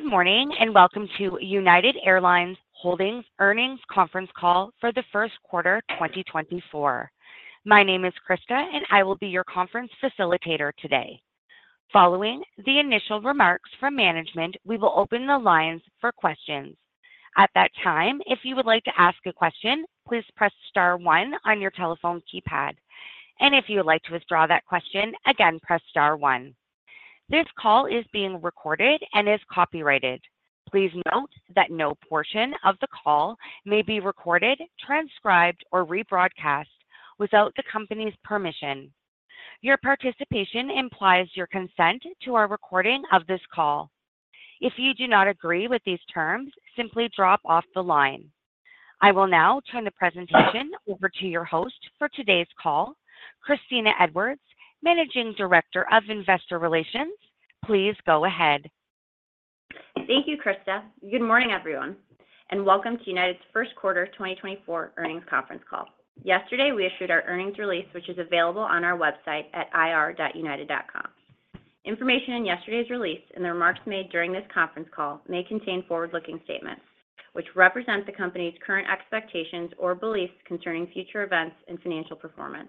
Good morning, and welcome to United Airlines Holdings Earnings Conference Call for the first quarter 2024. My name is Krista, and I will be your conference facilitator today. Following the initial remarks from management, we will open the lines for questions. At that time, if you would like to ask a question, please press star one on your telephone keypad, and if you would like to withdraw that question, again, press star one. This call is being recorded and is copyrighted. Please note that no portion of the call may be recorded, transcribed, or rebroadcast without the company's permission. Your participation implies your consent to our recording of this call. If you do not agree with these terms, simply drop off the line. I will now turn the presentation over to your host for today's call, Kristina Edwards, Managing Director of Investor Relations. Please go ahead. Thank you, Krista. Good morning, everyone, and welcome to United's first quarter 2024 earnings conference call. Yesterday, we issued our earnings release, which is available on our website at ir.united.com. Information in yesterday's release and the remarks made during this conference call may contain forward-looking statements, which represent the company's current expectations or beliefs concerning future events and financial performance.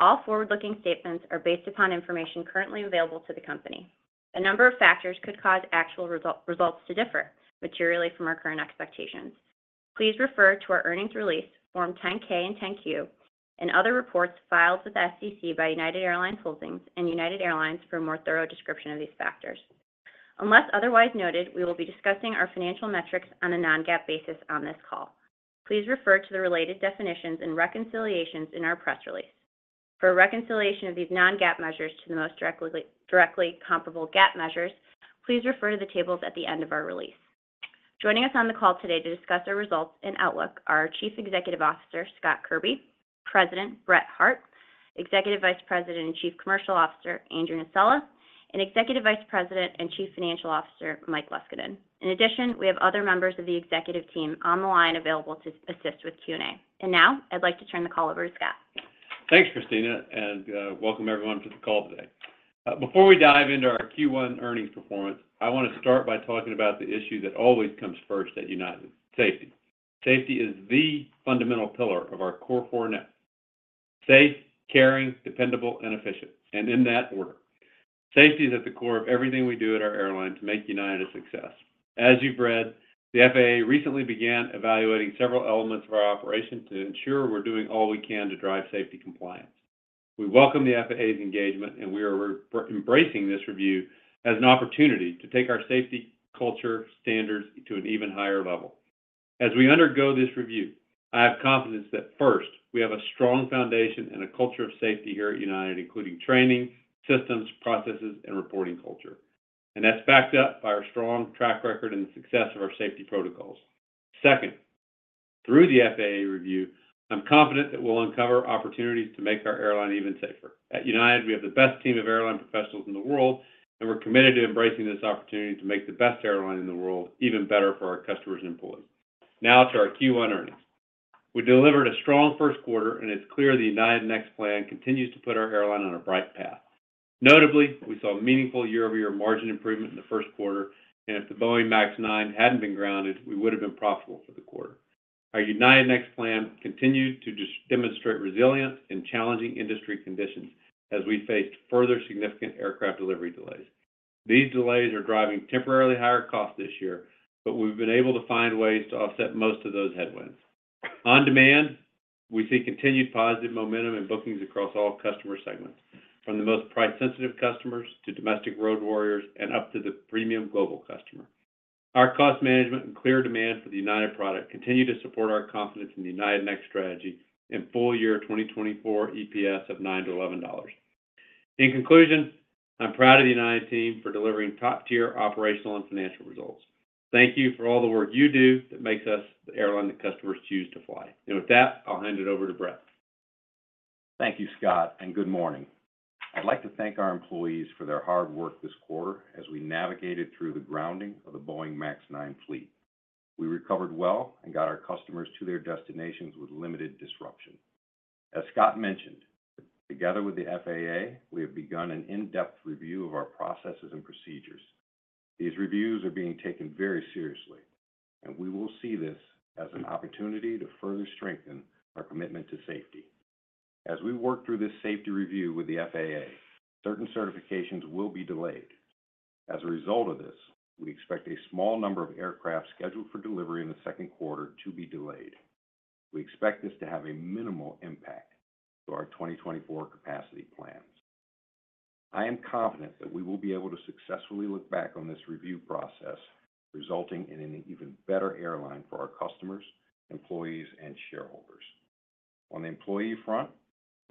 All forward-looking statements are based upon information currently available to the company. A number of factors could cause actual results to differ materially from our current expectations. Please refer to our earnings release, Form 10-K and 10-Q, and other reports filed with the SEC by United Airlines Holdings and United Airlines for a more thorough description of these factors. Unless otherwise noted, we will be discussing our financial metrics on a non-GAAP basis on this call. Please refer to the related definitions and reconciliations in our press release. For a reconciliation of these non-GAAP measures to the most directly comparable GAAP measures, please refer to the tables at the end of our release. Joining us on the call today to discuss our results and outlook are our Chief Executive Officer, Scott Kirby, President, Brett Hart, Executive Vice President and Chief Commercial Officer, Andrew Nocella, and Executive Vice President and Chief Financial Officer, Mike Leskinen. In addition, we have other members of the executive team on the line available to assist with Q&A. And now, I'd like to turn the call over to Scott. Thanks, Kristina, and welcome everyone to the call today. Before we dive into our Q1 earnings performance, I want to start by talking about the issue that always comes first at United: safety. Safety is the fundamental pillar of our Core4 now: Safe, Caring, Dependable, and Efficient, and in that order. Safety is at the core of everything we do at our airline to make United a success. As you've read, the FAA recently began evaluating several elements of our operation to ensure we're doing all we can to drive safety compliance. We welcome the FAA's engagement, and we are embracing this review as an opportunity to take our safety culture standards to an even higher level. As we undergo this review, I have confidence that first, we have a strong foundation and a culture of safety here at United, including training, systems, processes, and reporting culture. That's backed up by our strong track record and the success of our safety protocols. Second, through the FAA review, I'm confident that we'll uncover opportunities to make our airline even safer. At United, we have the best team of airline professionals in the world, and we're committed to embracing this opportunity to make the best airline in the world even better for our customers and employees. Now to our Q1 earnings. We delivered a strong first quarter, and it's clear the United Next plan continues to put our airline on a bright path. Notably, we saw meaningful year-over-year margin improvement in the first quarter, and if the Boeing MAX 9 hadn't been grounded, we would have been profitable for the quarter. Our United Next plan continued to demonstrate resilience in challenging industry conditions as we faced further significant aircraft delivery delays. These delays are driving temporarily higher costs this year, but we've been able to find ways to offset most of those headwinds. On demand, we see continued positive momentum in bookings across all customer segments, from the most price-sensitive customers to domestic road warriors and up to the premium global customer. Our cost management and clear demand for the United product continue to support our confidence in the United Next strategy in full year 2024 EPS of $9-$11. In conclusion, I'm proud of the United team for delivering top-tier operational and financial results. Thank you for all the work you do that makes us the airline that customers choose to fly. With that, I'll hand it over to Brett. Thank you, Scott, and good morning. I'd like to thank our employees for their hard work this quarter as we navigated through the grounding of the Boeing MAX 9 fleet. We recovered well and got our customers to their destinations with limited disruption. As Scott mentioned, together with the FAA, we have begun an in-depth review of our processes and procedures. These reviews are being taken very seriously, and we will see this as an opportunity to further strengthen our commitment to safety. As we work through this safety review with the FAA, certain certifications will be delayed. As a result of this, we expect a small number of aircraft scheduled for delivery in the second quarter to be delayed. We expect this to have a minimal impact to our 2024 capacity plans. I am confident that we will be able to successfully look back on this review process, resulting in an even better airline for our customers, employees, and shareholders. On the employee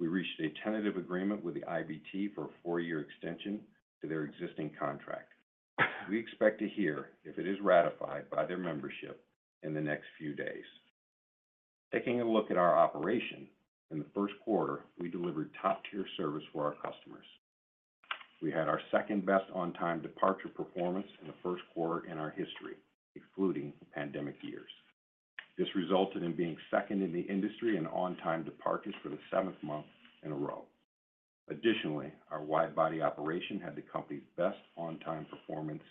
front, we reached a tentative agreement with the IBT for a 4-year extension to their existing contract. We expect to hear if it is ratified by their membership in the next few days. Taking a look at our operation, in the first quarter, we delivered top-tier service for our customers. We had our second-best on-time departure performance in the first quarter in our history, excluding the pandemic years. This resulted in being second in the industry in on-time departures for the seventh month in a row. Additionally, our wide-body operation had the company's best on-time performance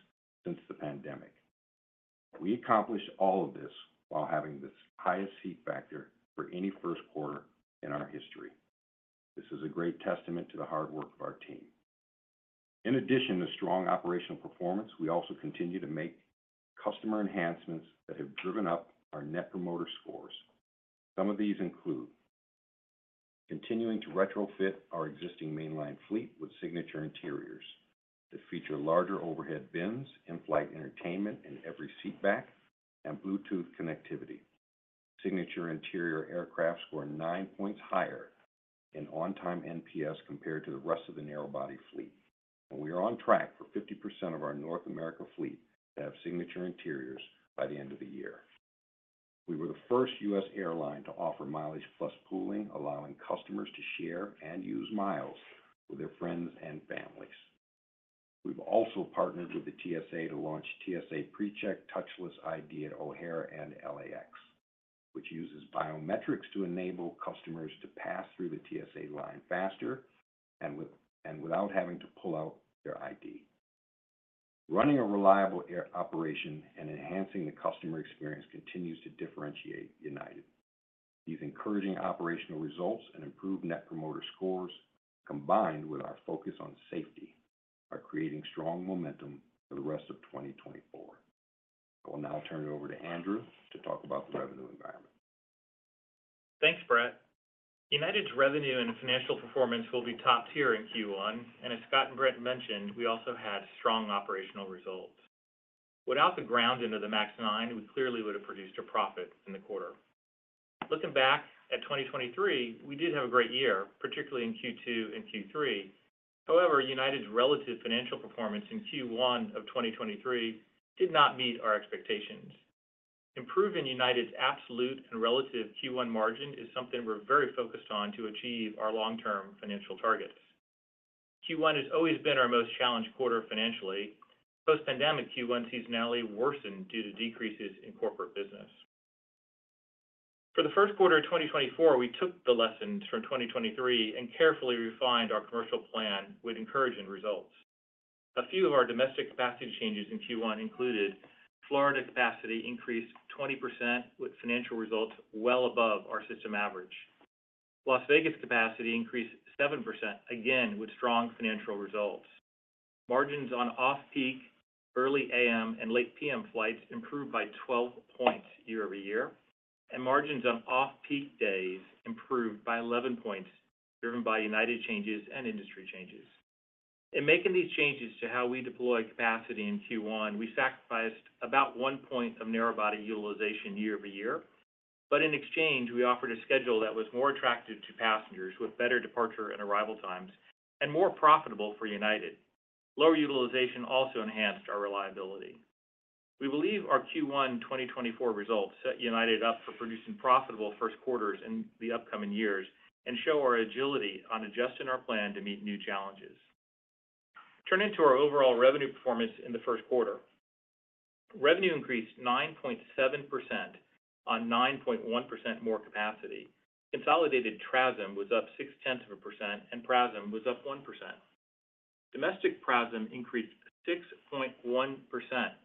since the pandemic. We accomplished all of this while having the highest seat factor for any first quarter in our history. This is a great testament to the hard work of our team. In addition to strong operational performance, we also continue to make customer enhancements that have driven up our Net Promoter Scores. Some of these include: continuing to retrofit our existing mainline fleet with Signature Interiors that feature larger overhead bins, in-flight entertainment in every seat back, and Bluetooth connectivity. Signature Interior aircraft score nine points higher in on-time NPS compared to the rest of the narrow-body fleet, and we are on track for 50% of our North America fleet to have Signature Interiors by the end of the year. We were the first U.S. airline to offer MileagePlus pooling, allowing customers to share and use miles with their friends and families. We've also partnered with the TSA to launch TSA PreCheck Touchless ID at O'Hare and LAX, which uses biometrics to enable customers to pass through the TSA line faster and without having to pull out their ID. Running a reliable air operation and enhancing the customer experience continues to differentiate United. These encouraging operational results and improved Net Promoter Scores, combined with our focus on safety, are creating strong momentum for the rest of 2024. I will now turn it over to Andrew to talk about the revenue environment. Thanks, Brett. United's revenue and financial performance will be top tier in Q1, and as Scott and Brett mentioned, we also had strong operational results. Without the grounding of the MAX 9, we clearly would have produced a profit in the quarter. Looking back at 2023, we did have a great year, particularly in Q2 and Q3. However, United's relative financial performance in Q1 of 2023 did not meet our expectations. Improving United's absolute and relative Q1 margin is something we're very focused on to achieve our long-term financial targets. Q1 has always been our most challenged quarter financially. Post-pandemic, Q1 seasonality worsened due to decreases in corporate business. For the first quarter of 2024, we took the lessons from 2023 and carefully refined our commercial plan with encouraging results. A few of our domestic capacity changes in Q1 included Florida capacity increased 20%, with financial results well above our system average. Las Vegas capacity increased 7%, again, with strong financial results. Margins on off-peak, early AM, and late PM flights improved by 12 points year-over-year, and margins on off-peak days improved by 11 points, driven by United changes and industry changes. In making these changes to how we deploy capacity in Q1, we sacrificed about 1 point of narrow-body utilization year-over-year. But in exchange, we offered a schedule that was more attractive to passengers, with better departure and arrival times, and more profitable for United. Lower utilization also enhanced our reliability. We believe our Q1 2024 results set United up for producing profitable first quarters in the upcoming years and show our agility on adjusting our plan to meet new challenges. Turning to our overall revenue performance in the first quarter. Revenue increased 9.7% on 9.1% more capacity. Consolidated TRASM was up 0.6%, and PRASM was up 1%. Domestic PRASM increased 6.1%,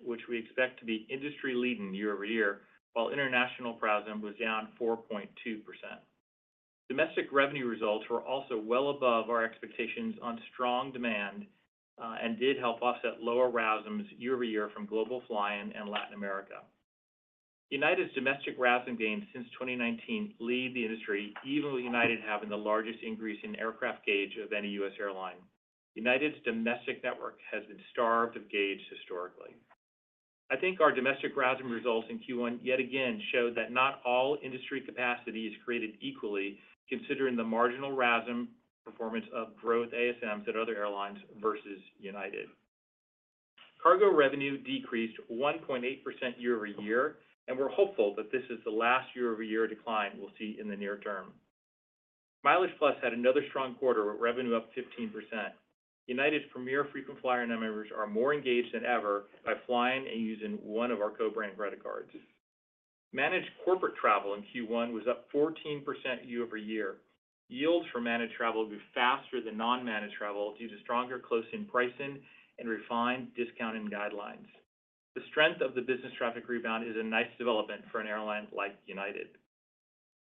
which we expect to be industry-leading year-over-year, while international PRASM was down 4.2%. Domestic revenue results were also well above our expectations on strong demand, and did help offset lower RASMs year-over-year from global flying and Latin America. United's domestic RASM gains since 2019 lead the industry, even with United having the largest increase in aircraft gauge of any U.S. airline. United's domestic network has been starved of gauge historically. I think our domestic RASM results in Q1 yet again showed that not all industry capacity is created equally, considering the marginal RASM performance of growth ASMs at other airlines versus United. Cargo revenue decreased 1.8% year-over-year, and we're hopeful that this is the last year-over-year decline we'll see in the near term. MileagePlus had another strong quarter, with revenue up 15%. United's Premier frequent flyer members are more engaged than ever by flying and using one of our co-brand credit cards. Managed corporate travel in Q1 was up 14% year-over-year. Yields for managed travel grew faster than non-managed travel due to stronger close-in pricing and refined discounting guidelines. The strength of the business traffic rebound is a nice development for an airline like United.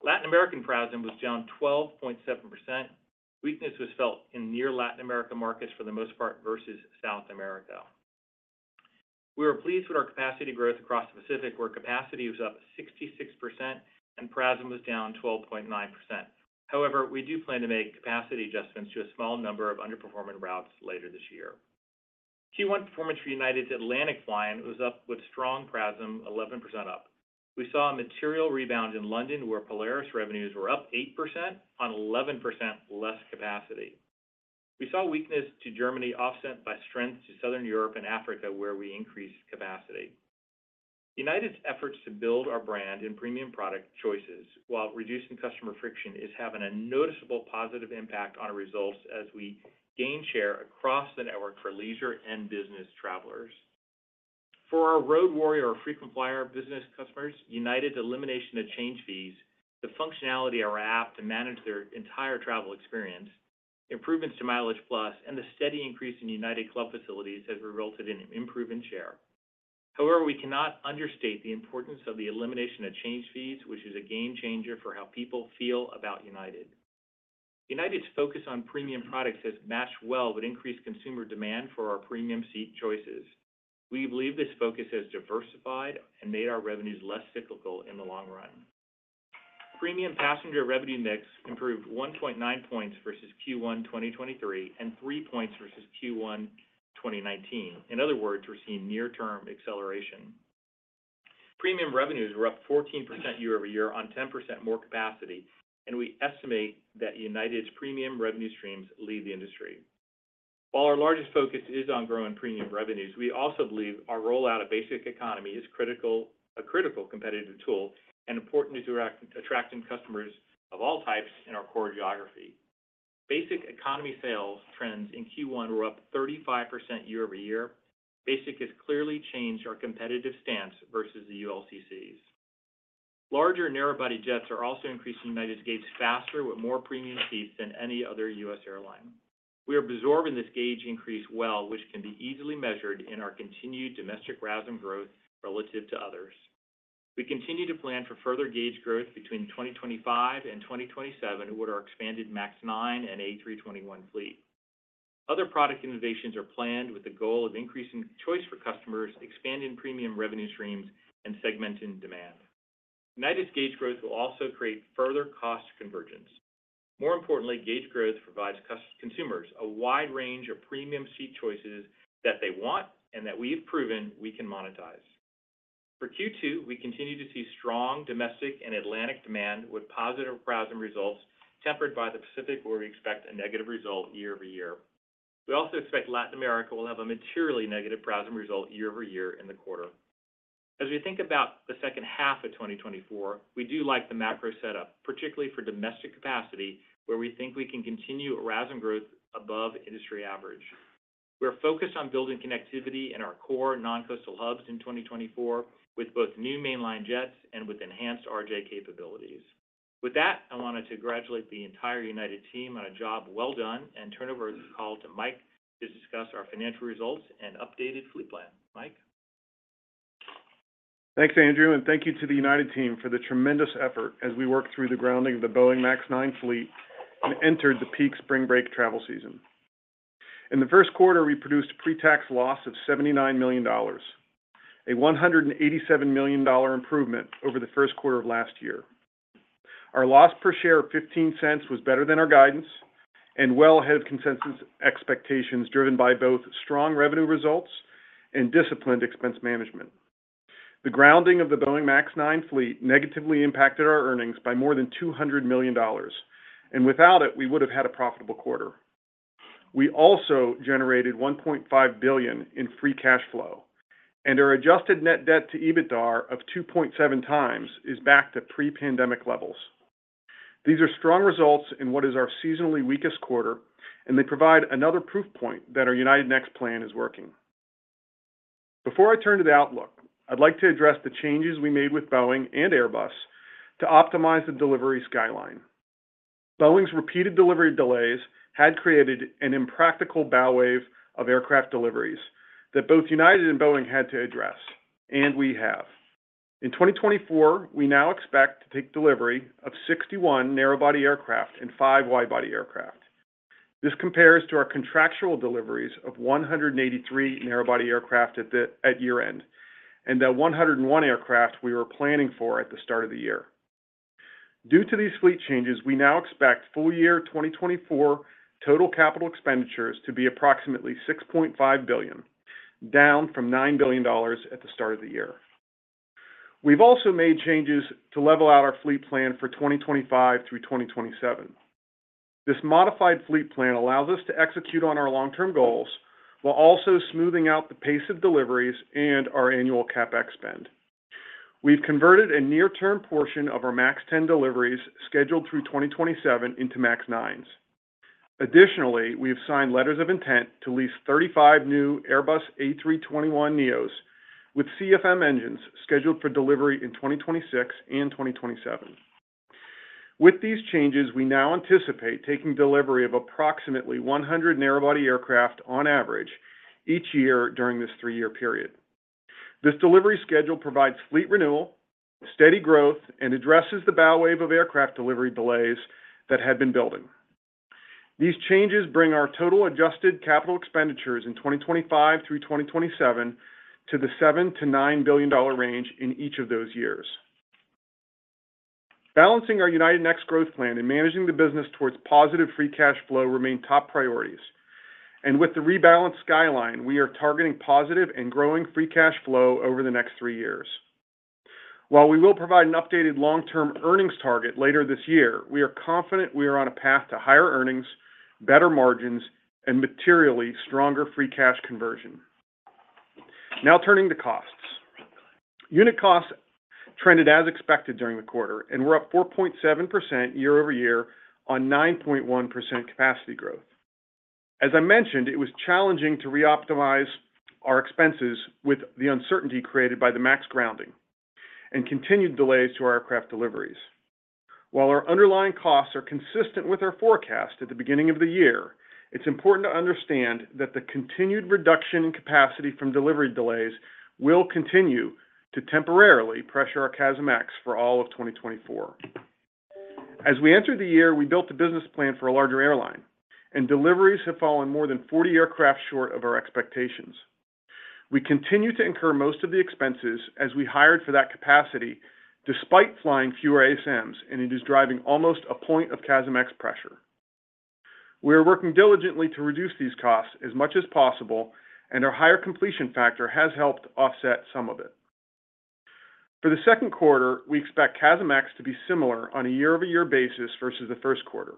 Latin American PRASM was down 12.7%. Weakness was felt in near Latin America markets for the most part versus South America. We were pleased with our capacity growth across the Pacific, where capacity was up 66% and PRASM was down 12.9%. However, we do plan to make capacity adjustments to a small number of underperforming routes later this year. Q1 performance for United's Atlantic line was up with strong PRASM, 11% up. We saw a material rebound in London, where Polaris revenues were up 8% on 11% less capacity. We saw weakness to Germany, offset by strength to Southern Europe and Africa, where we increased capacity. United's efforts to build our brand and premium product choices while reducing customer friction is having a noticeable positive impact on our results as we gain share across the network for leisure and business travelers. For our road warrior or frequent flyer business customers, United's elimination of change fees, the functionality of our app to manage their entire travel experience, improvements to MileagePlus, and the steady increase in United Club facilities has resulted in an improvement share. However, we cannot understate the importance of the elimination of change fees, which is a game changer for how people feel about United. United's focus on premium products has matched well with increased consumer demand for our premium seat choices. We believe this focus has diversified and made our revenues less cyclical in the long run. Premium passenger revenue mix improved 1.9 points versus Q1 2023, and 3 points versus Q1 2019. In other words, we're seeing near-term acceleration. Premium revenues were up 14% year-over-year on 10% more capacity, and we estimate that United's premium revenue streams lead the industry. While our largest focus is on growing premium revenues, we also believe our rollout of Basic Economy is a critical competitive tool and important to attract customers of all types in our core geography. Basic Economy sales trends in Q1 were up 35% year-over-year. Basic has clearly changed our competitive stance versus the ULCCs. Larger narrow-body jets are also increasing United's gauge faster with more premium seats than any other U.S. airline. We are absorbing this gauge increase well, which can be easily measured in our continued domestic RASM growth relative to others. We continue to plan for further gauge growth between 2025 and 2027 with our expanded MAX 9 and A321 fleet. Other product innovations are planned with the goal of increasing choice for customers, expanding premium revenue streams, and segmenting demand. United's gauge growth will also create further cost convergence. More importantly, gauge growth provides consumers a wide range of premium seat choices that they want and that we have proven we can monetize. For Q2, we continue to see strong domestic and Atlantic demand with positive RASM results, tempered by the Pacific, where we expect a negative result year over year. We also expect Latin America will have a materially negative RASM result year over year in the quarter. As we think about the second half of 2024, we do like the macro setup, particularly for domestic capacity, where we think we can continue RASM growth above industry average. We are focused on building connectivity in our core non-coastal hubs in 2024, with both new mainline jets and with enhanced RJ capabilities. With that, I wanted to congratulate the entire United team on a job well done and turn over the call to Mike to discuss our financial results and updated fleet plan. Mike? Thanks, Andrew, and thank you to the United team for the tremendous effort as we work through the grounding of the Boeing MAX 9 fleet and entered the peak spring break travel season. In the first quarter, we produced a pre-tax loss of $79 million, a $187 million improvement over the first quarter of last year. Our loss per share of $0.15 was better than our guidance and well ahead of consensus expectations, driven by both strong revenue results and disciplined expense management. The grounding of the Boeing MAX 9 fleet negatively impacted our earnings by more than $200 million, and without it, we would have had a profitable quarter. We also generated $1.5 billion in free cash flow, and our adjusted net debt to EBITDAR of 2.7 times is back to pre-pandemic levels. These are strong results in what is our seasonally weakest quarter, and they provide another proof point that our United Next plan is working. Before I turn to the outlook, I'd like to address the changes we made with Boeing and Airbus to optimize the delivery skyline. Boeing's repeated delivery delays had created an impractical bow wave of aircraft deliveries that both United and Boeing had to address, and we have. In 2024, we now expect to take delivery of 61 narrow-body aircraft and five wide-body aircraft. This compares to our contractual deliveries of 183 narrow-body aircraft at year-end, and the 101 aircraft we were planning for at the start of the year. Due to these fleet changes, we now expect full-year 2024 total capital expenditures to be approximately $6.5 billion, down from $9 billion at the start of the year. We've also made changes to level out our fleet plan for 2025-2027. This modified fleet plan allows us to execute on our long-term goals while also smoothing out the pace of deliveries and our annual CapEx spend. We've converted a near-term portion of our MAX 10 deliveries scheduled through 2027 into MAX 9s. Additionally, we have signed letters of intent to lease 35 new Airbus A321neos with CFM engines scheduled for delivery in 2026 and 2027. With these changes, we now anticipate taking delivery of approximately 100 narrow-body aircraft on average each year during this three-year period. This delivery schedule provides fleet renewal, steady growth, and addresses the bow wave of aircraft delivery delays that had been building. These changes bring our total adjusted capital expenditures in 2025 through 2027 to the $7 billion-$9 billion range in each of those years. Balancing our United Next growth plan and managing the business towards positive free cash flow remain top priorities. And with the rebalanced skyline, we are targeting positive and growing free cash flow over the next three years. While we will provide an updated long-term earnings target later this year, we are confident we are on a path to higher earnings, better margins, and materially stronger free cash conversion. Now turning to costs. Unit costs trended as expected during the quarter, and were up 4.7% year-over-year on 9.1% capacity growth. As I mentioned, it was challenging to reoptimize our expenses with the uncertainty created by the MAX grounding and continued delays to our aircraft deliveries. While our underlying costs are consistent with our forecast at the beginning of the year, it's important to understand that the continued reduction in capacity from delivery delays will continue to temporarily pressure our CASM-ex for all of 2024. As we entered the year, we built a business plan for a larger airline, and deliveries have fallen more than 40 aircraft short of our expectations. We continue to incur most of the expenses as we hired for that capacity despite flying fewer ASMs, and it is driving almost a point of CASM-ex pressure. We are working diligently to reduce these costs as much as possible, and our higher completion factor has helped offset some of it. For the second quarter, we expect CASM-ex to be similar on a year-over-year basis versus the first quarter.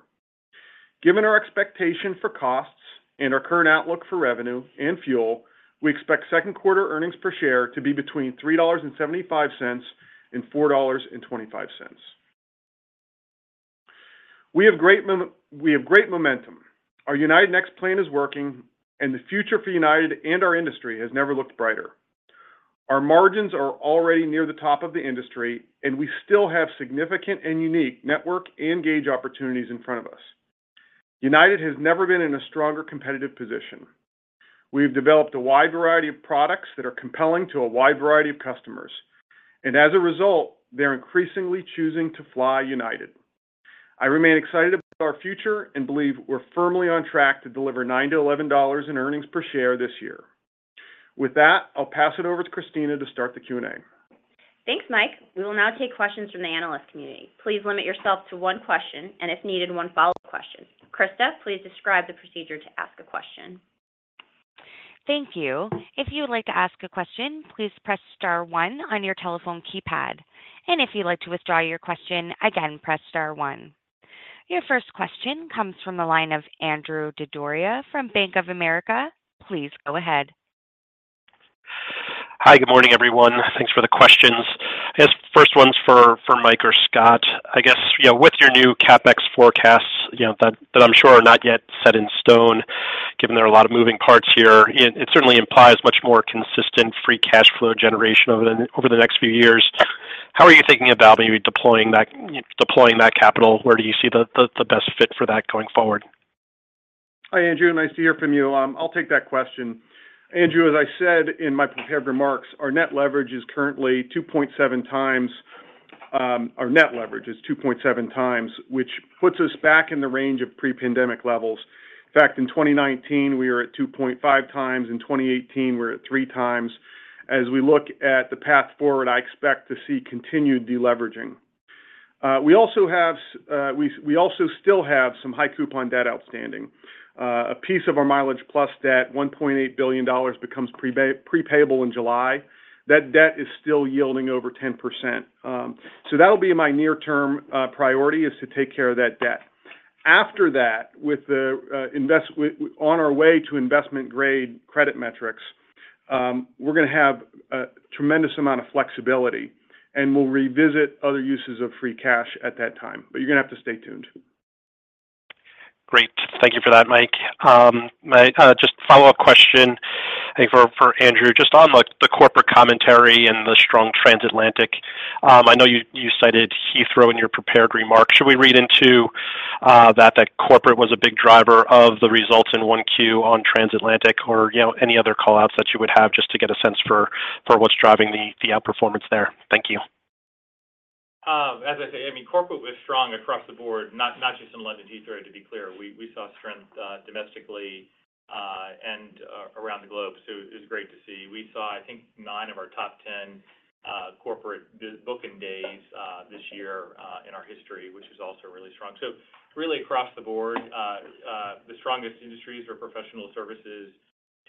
Given our expectation for costs and our current outlook for revenue and fuel, we expect second quarter earnings per share to be between $3.75 and $4.25. We have great momentum. Our United Next plan is working, and the future for United and our industry has never looked brighter. Our margins are already near the top of the industry, and we still have significant and unique network and gauge opportunities in front of us. United has never been in a stronger competitive position. We've developed a wide variety of products that are compelling to a wide variety of customers, and as a result, they're increasingly choosing to fly United. I remain excited about our future and believe we're firmly on track to deliver $9-$11 in earnings per share this year. With that, I'll pass it over to Kristina to start the Q&A. Thanks, Mike. We will now take questions from the analyst community. Please limit yourself to one question, and if needed, one follow-up question. Krista, please describe the procedure to ask a question. Thank you. If you would like to ask a question, please press star one on your telephone keypad, and if you'd like to withdraw your question, again, press star one. Your first question comes from the line of Andrew Didora from Bank of America. Please go ahead. Hi, good morning, everyone. Thanks for the questions. This first one's for Mike or Scott. I guess, you know, with your new CapEx forecasts, you know, that I'm sure are not yet set in stone, given there are a lot of moving parts here, it certainly implies much more consistent free cash flow generation over the next few years. How are you thinking about maybe deploying that capital? Where do you see the best fit for that going forward? Hi, Andrew. Nice to hear from you. I'll take that question. Andrew, as I said in my prepared remarks, our net leverage is currently 2.7 times—our net leverage is 2.7 times, which puts us back in the range of pre-pandemic levels. In fact, in 2019, we were at 2.5 times; in 2018, we were at 3 times. As we look at the path forward, I expect to see continued deleveraging. We also have we also still have some high coupon debt outstanding. A piece of our MileagePlus debt, $1.8 billion, becomes prepayable in July. That debt is still yielding over 10%. So that'll be my near-term priority, is to take care of that debt. After that, on our way to investment-grade credit metrics, we're gonna have a tremendous amount of flexibility, and we'll revisit other uses of free cash at that time, but you're gonna have to stay tuned. Great. Thank you for that, Mike. Mike, just a follow-up question, I think for, for Andrew. Just on, like, the corporate commentary and the strong transatlantic, I know you, you cited Heathrow in your prepared remarks. Should we read into, that, that corporate was a big driver of the results in one 1Q on transatlantic or, you know, any other call-outs that you would have just to get a sense for, for what's driving the, the outperformance there? Thank you. As I say, I mean, corporate was strong across the board, not just in London Heathrow, to be clear. We saw strength domestically and around the globe, so it was great to see. We saw, I think, nine of our top 10 corporate booking days this year in our history, which is also really strong. So really across the board, the strongest industries are professional services,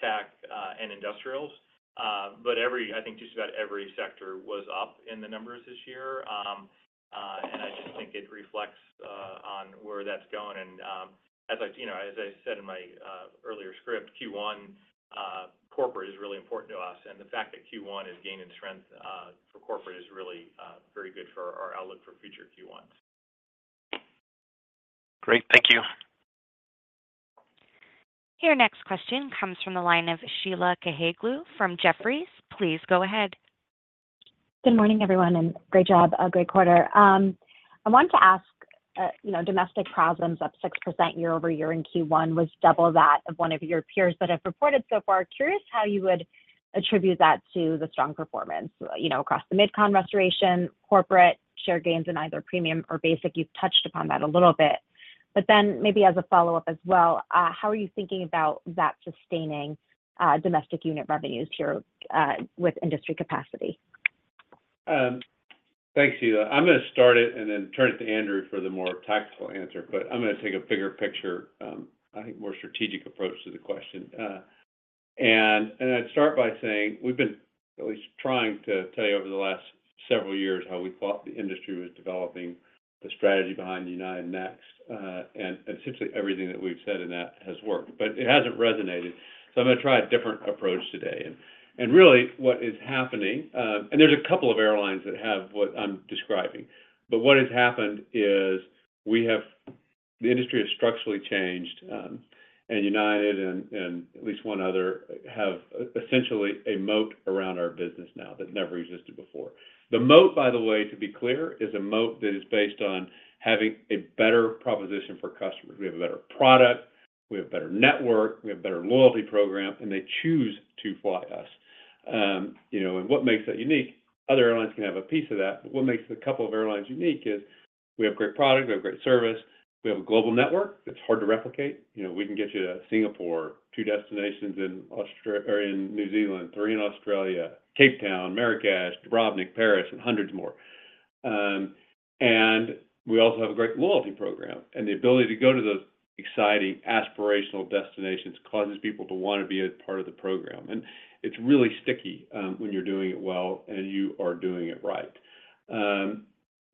tech, and industrials. But I think just about every sector was up in the numbers this year. And I just think it reflects on where that's going. As I you know as I said in my earlier script, Q1 corporate is really important to us, and the fact that Q1 is gaining strength for corporate is really very good for our outlook for future Q1s. Great. Thank you. Your next question comes from the line of Sheila Kahyaoglu from Jefferies. Please go ahead. Good morning, everyone, and great job. A great quarter. I wanted to ask, you know, domestic PRASM up 6% year-over-year in Q1 was double that of one of your peers that have reported so far. Curious how you would attribute that to the strong performance, you know, across the Mid-Con restoration, corporate, share gains in either premium or basic. You've touched upon that a little bit, but then maybe as a follow-up as well, how are you thinking about that sustaining, domestic unit revenues here, with industry capacity? Thanks, Sheila. I'm gonna start it and then turn it to Andrew for the more tactical answer, but I'm gonna take a bigger picture, I think, more strategic approach to the question. I'd start by saying we've been at least trying to tell you over the last several years, how we thought the industry was developing, the strategy behind United Next. And essentially everything that we've said in that has worked, but it hasn't resonated. So I'm gonna try a different approach today. And really what is happening, and there's a couple of airlines that have what I'm describing, but what has happened is we have the industry has structurally changed, and United and at least one other have essentially a moat around our business now that never existed before. The moat, by the way, to be clear, is a moat that is based on having a better proposition for customers. We have a better product, we have a better network, we have a better loyalty program, and they choose to fly us. You know, and what makes that unique, other airlines can have a piece of that, but what makes a couple of airlines unique is we have great product, we have great service, we have a global network that's hard to replicate. You know, we can get you to Singapore, two destinations in Australia or in New Zealand, three in Australia, Cape Town, Marrakesh, Dubrovnik, Paris, and hundreds more. And we also have a great loyalty program, and the ability to go to those exciting, aspirational destinations causes people to want to be a part of the program. And it's really sticky, when you're doing it well and you are doing it right.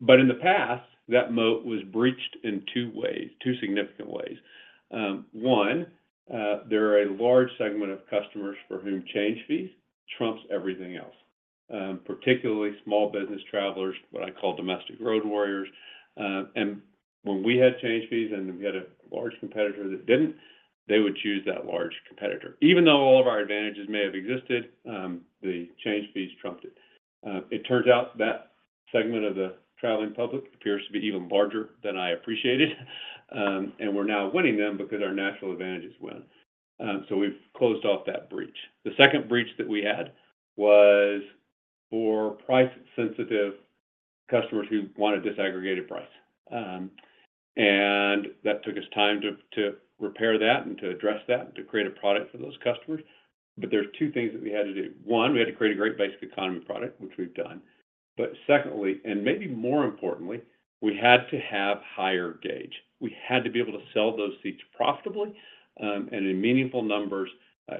But in the past, that moat was breached in two ways, two significant ways. One, there are a large segment of customers for whom change fees trumps everything else, particularly small business travelers, what I call domestic road warriors. And when we had change fees and we had a large competitor that didn't, they would choose that large competitor. Even though all of our advantages may have existed, the change fees trumped it. It turns out that segment of the traveling public appears to be even larger than I appreciated, and we're now winning them because our natural advantages win. So we've closed off that breach. The second breach that we had was for price-sensitive customers who want a disaggregated price. And that took us time to repair that and to address that, and to create a product for those customers. But there are two things that we had to do. One, we had to create a great Basic Economy product, which we've done. But secondly, and maybe more importantly, we had to have higher gauge. We had to be able to sell those seats profitably, and in meaningful numbers,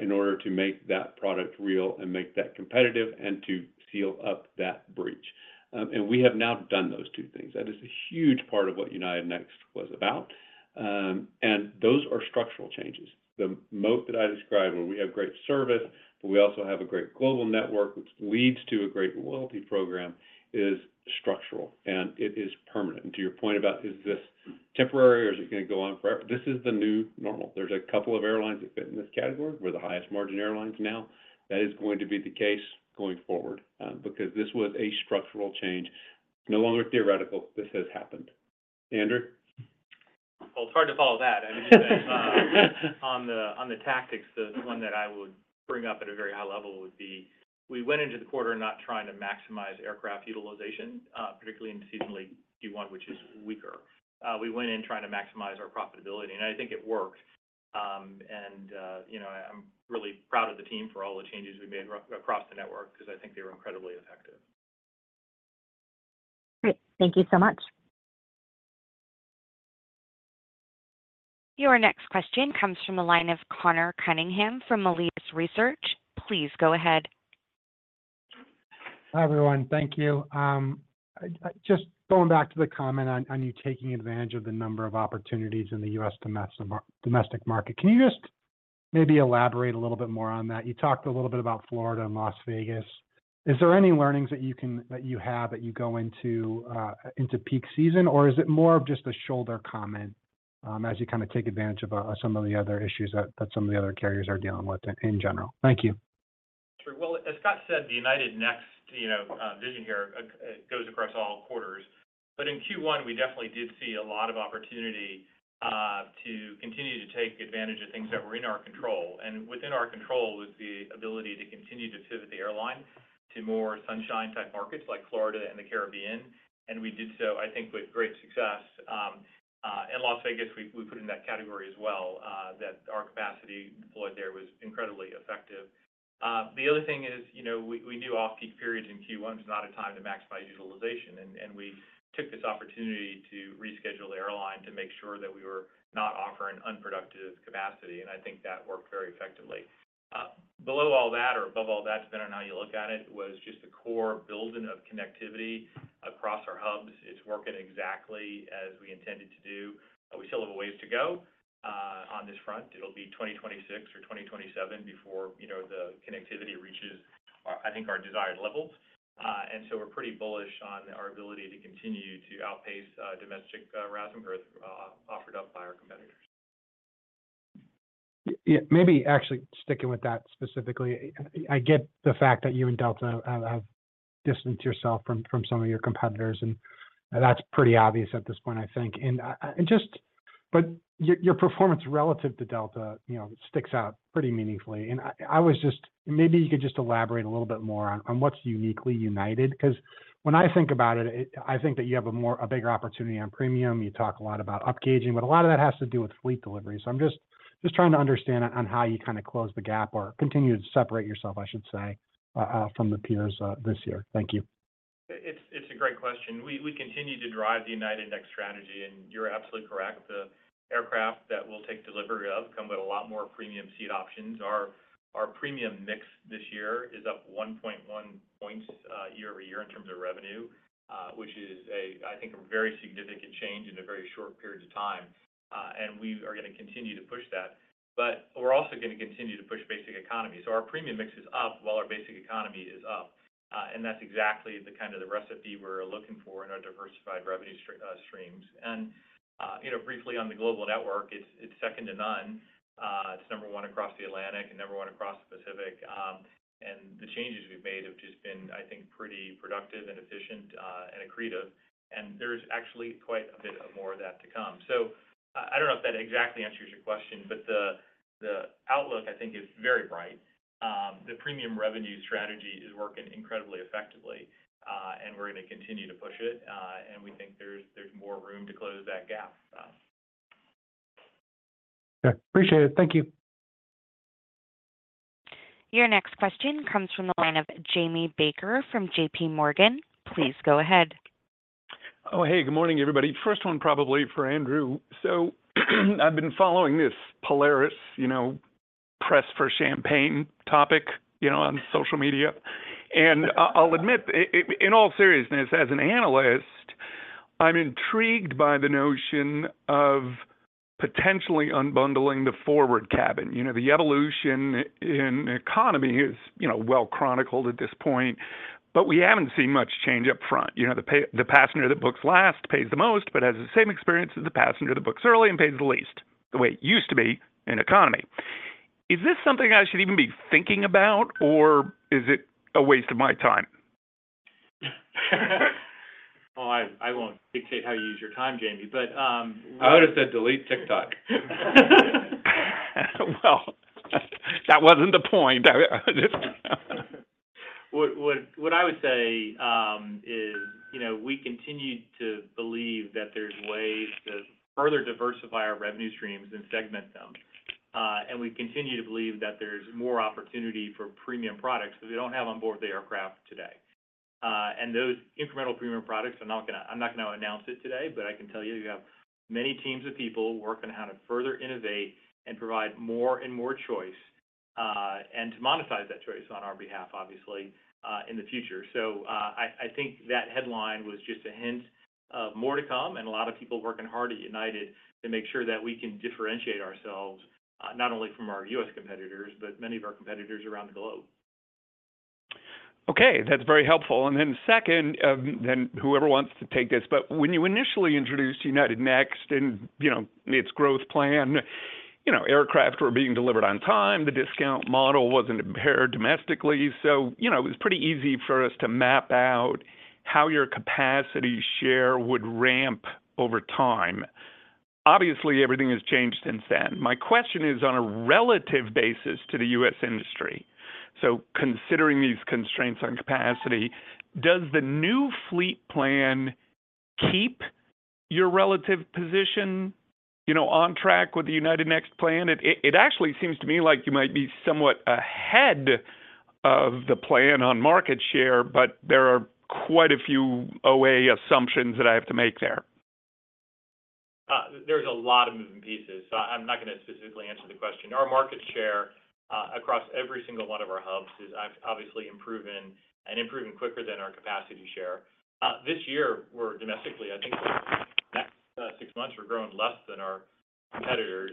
in order to make that product real and make that competitive and to seal up that breach. And we have now done those two things. That is a huge part of what United Next was about, and those are structural changes. The moat that I described, where we have great service, but we also have a great global network, which leads to a great loyalty program, is structural and it is permanent. And to your point about, is this temporary or is it gonna go on forever? This is the new normal. There's a couple of airlines that fit in this category. We're the highest margin airlines now. That is going to be the case going forward, because this was a structural change. No longer theoretical, this has happened. Andrew? Well, it's hard to follow that. On the, on the tactics, the one that I would bring up at a very high level would be, we went into the quarter not trying to maximize aircraft utilization, particularly in seasonally Q1, which is weaker. We went in trying to maximize our profitability, and I think it worked. And, you know, I'm really proud of the team for all the changes we made across the network, because I think they were incredibly effective. Great. Thank you so much. Your next question comes from the line of Conor Cunningham from Melius Research. Please go ahead. Hi, everyone. Thank you. I just going back to the comment on you taking advantage of the number of opportunities in the U.S. domestic market, can you just maybe elaborate a little bit more on that? You talked a little bit about Florida and Las Vegas. Is there any learnings that you have as you go into peak season, or is it more of just a shoulder comment as you kind of take advantage of some of the other issues that some of the other carriers are dealing with in general? Thank you. Sure. Well, as Scott said, the United Next, you know, vision here goes across all quarters. But in Q1, we definitely did see a lot of opportunity to continue to take advantage of things that were in our control. And within our control was the ability to continue to pivot the airline to more sunshine-type markets like Florida and the Caribbean, and we did so, I think, with great success. And Las Vegas, we put in that category as well, that our capacity deployed there was incredibly effective. The other thing is, you know, we knew off-peak periods in Q1 was not a time to maximize utilization, and we took this opportunity to reschedule the airline to make sure that we were not offering unproductive capacity, and I think that worked very effectively. Below all that or above all that, depending on how you look at it, was just the core building of connectivity across our hubs. It's working exactly as we intended to do. We still have a ways to go on this front. It'll be 2026 or 2027 before, you know, the connectivity reaches our, I think, our desired levels. And so we're pretty bullish on our ability to continue to outpace domestic RASM growth offered up by our competitors. Yeah, maybe actually sticking with that specifically. I get the fact that you and Delta have distanced yourself from some of your competitors, and that's pretty obvious at this point, I think. And just... But your performance relative to Delta, you know, sticks out pretty meaningfully. And I was just—maybe you could just elaborate a little bit more on what's uniquely United. Because when I think about it, I think that you have a bigger opportunity on premium. You talk a lot about upgauging, but a lot of that has to do with fleet delivery. So I'm just trying to understand on how you kind of close the gap or continue to separate yourself, I should say, from the peers this year. Thank you. It's a great question. We continue to drive the United Next strategy, and you're absolutely correct. The aircraft that we'll take delivery of come with a lot more premium seat options. Our premium mix this year is up 1.1 points year-over-year in terms of revenue, which is, I think, a very significant change in a very short period of time. And we are gonna continue to push that. But we're also gonna continue to push basic economy. So our premium mix is up while our basic economy is up, and that's exactly the kind of recipe we're looking for in our diversified revenue streams. And you know, briefly on the global network, it's second to none. It's number one across the Atlantic and number one across the Pacific. The changes we've made have just been, I think, pretty productive and efficient, and accretive, and there's actually quite a bit more of that to come. So I don't know if that exactly answers your question, but the outlook, I think, is very bright. The premium revenue strategy is working incredibly effectively, and we're gonna continue to push it, and we think there's more room to close that gap. Okay, appreciate it. Thank you. Your next question comes from the line of Jamie Baker from JPMorgan. Please go ahead. Oh, hey, good morning, everybody. First one, probably for Andrew. So I've been following this Polaris, you know, press for champagne topic, you know, on social media. And I, I'll admit, in, in all seriousness, as an analyst, I'm intrigued by the notion of potentially unbundling the forward cabin. You know, the evolution in economy is, you know, well-chronicled at this point, but we haven't seen much change up front. You know, the pay, the passenger that books last pays the most, but has the same experience as the passenger that books early and pays the least, the way it used to be in economy. Is this something I should even be thinking about, or is it a waste of my time? Well, I won't dictate how you use your time, Jamie, but, I would've said delete TikTok. Well, that wasn't the point. I... What I would say, you know, is we continue to believe that there's ways to further diversify our revenue streams and segment them. And we continue to believe that there's more opportunity for premium products that we don't have on board the aircraft today. And those incremental premium products are not gonna—I'm not gonna announce it today, but I can tell you, you have many teams of people working on how to further innovate and provide more and more choice, and to monetize that choice on our behalf, obviously, in the future. So, I think that headline was just a hint of more to come, and a lot of people working hard at United to make sure that we can differentiate ourselves, not only from our U.S. competitors, but many of our competitors around the globe. Okay, that's very helpful. And then second, then whoever wants to take this, but when you initially introduced United Next and, you know, its growth plan, you know, aircraft were being delivered on time, the discount model wasn't impaired domestically. So, you know, it was pretty easy for us to map out how your capacity share would ramp over time. Obviously, everything has changed since then. My question is, on a relative basis to the U.S. industry, so considering these constraints on capacity, does the new fleet plan keep your relative position, you know, on track with the United Next plan? It actually seems to me like you might be somewhat ahead of the plan on market share, but there are quite a few OA assumptions that I have to make there. There's a lot of moving pieces, so I'm not gonna specifically answer the question. Our market share across every single one of our hubs is obviously improving and improving quicker than our capacity share. This year, we're domestically, I think, the next six months, we're growing less than our competitors.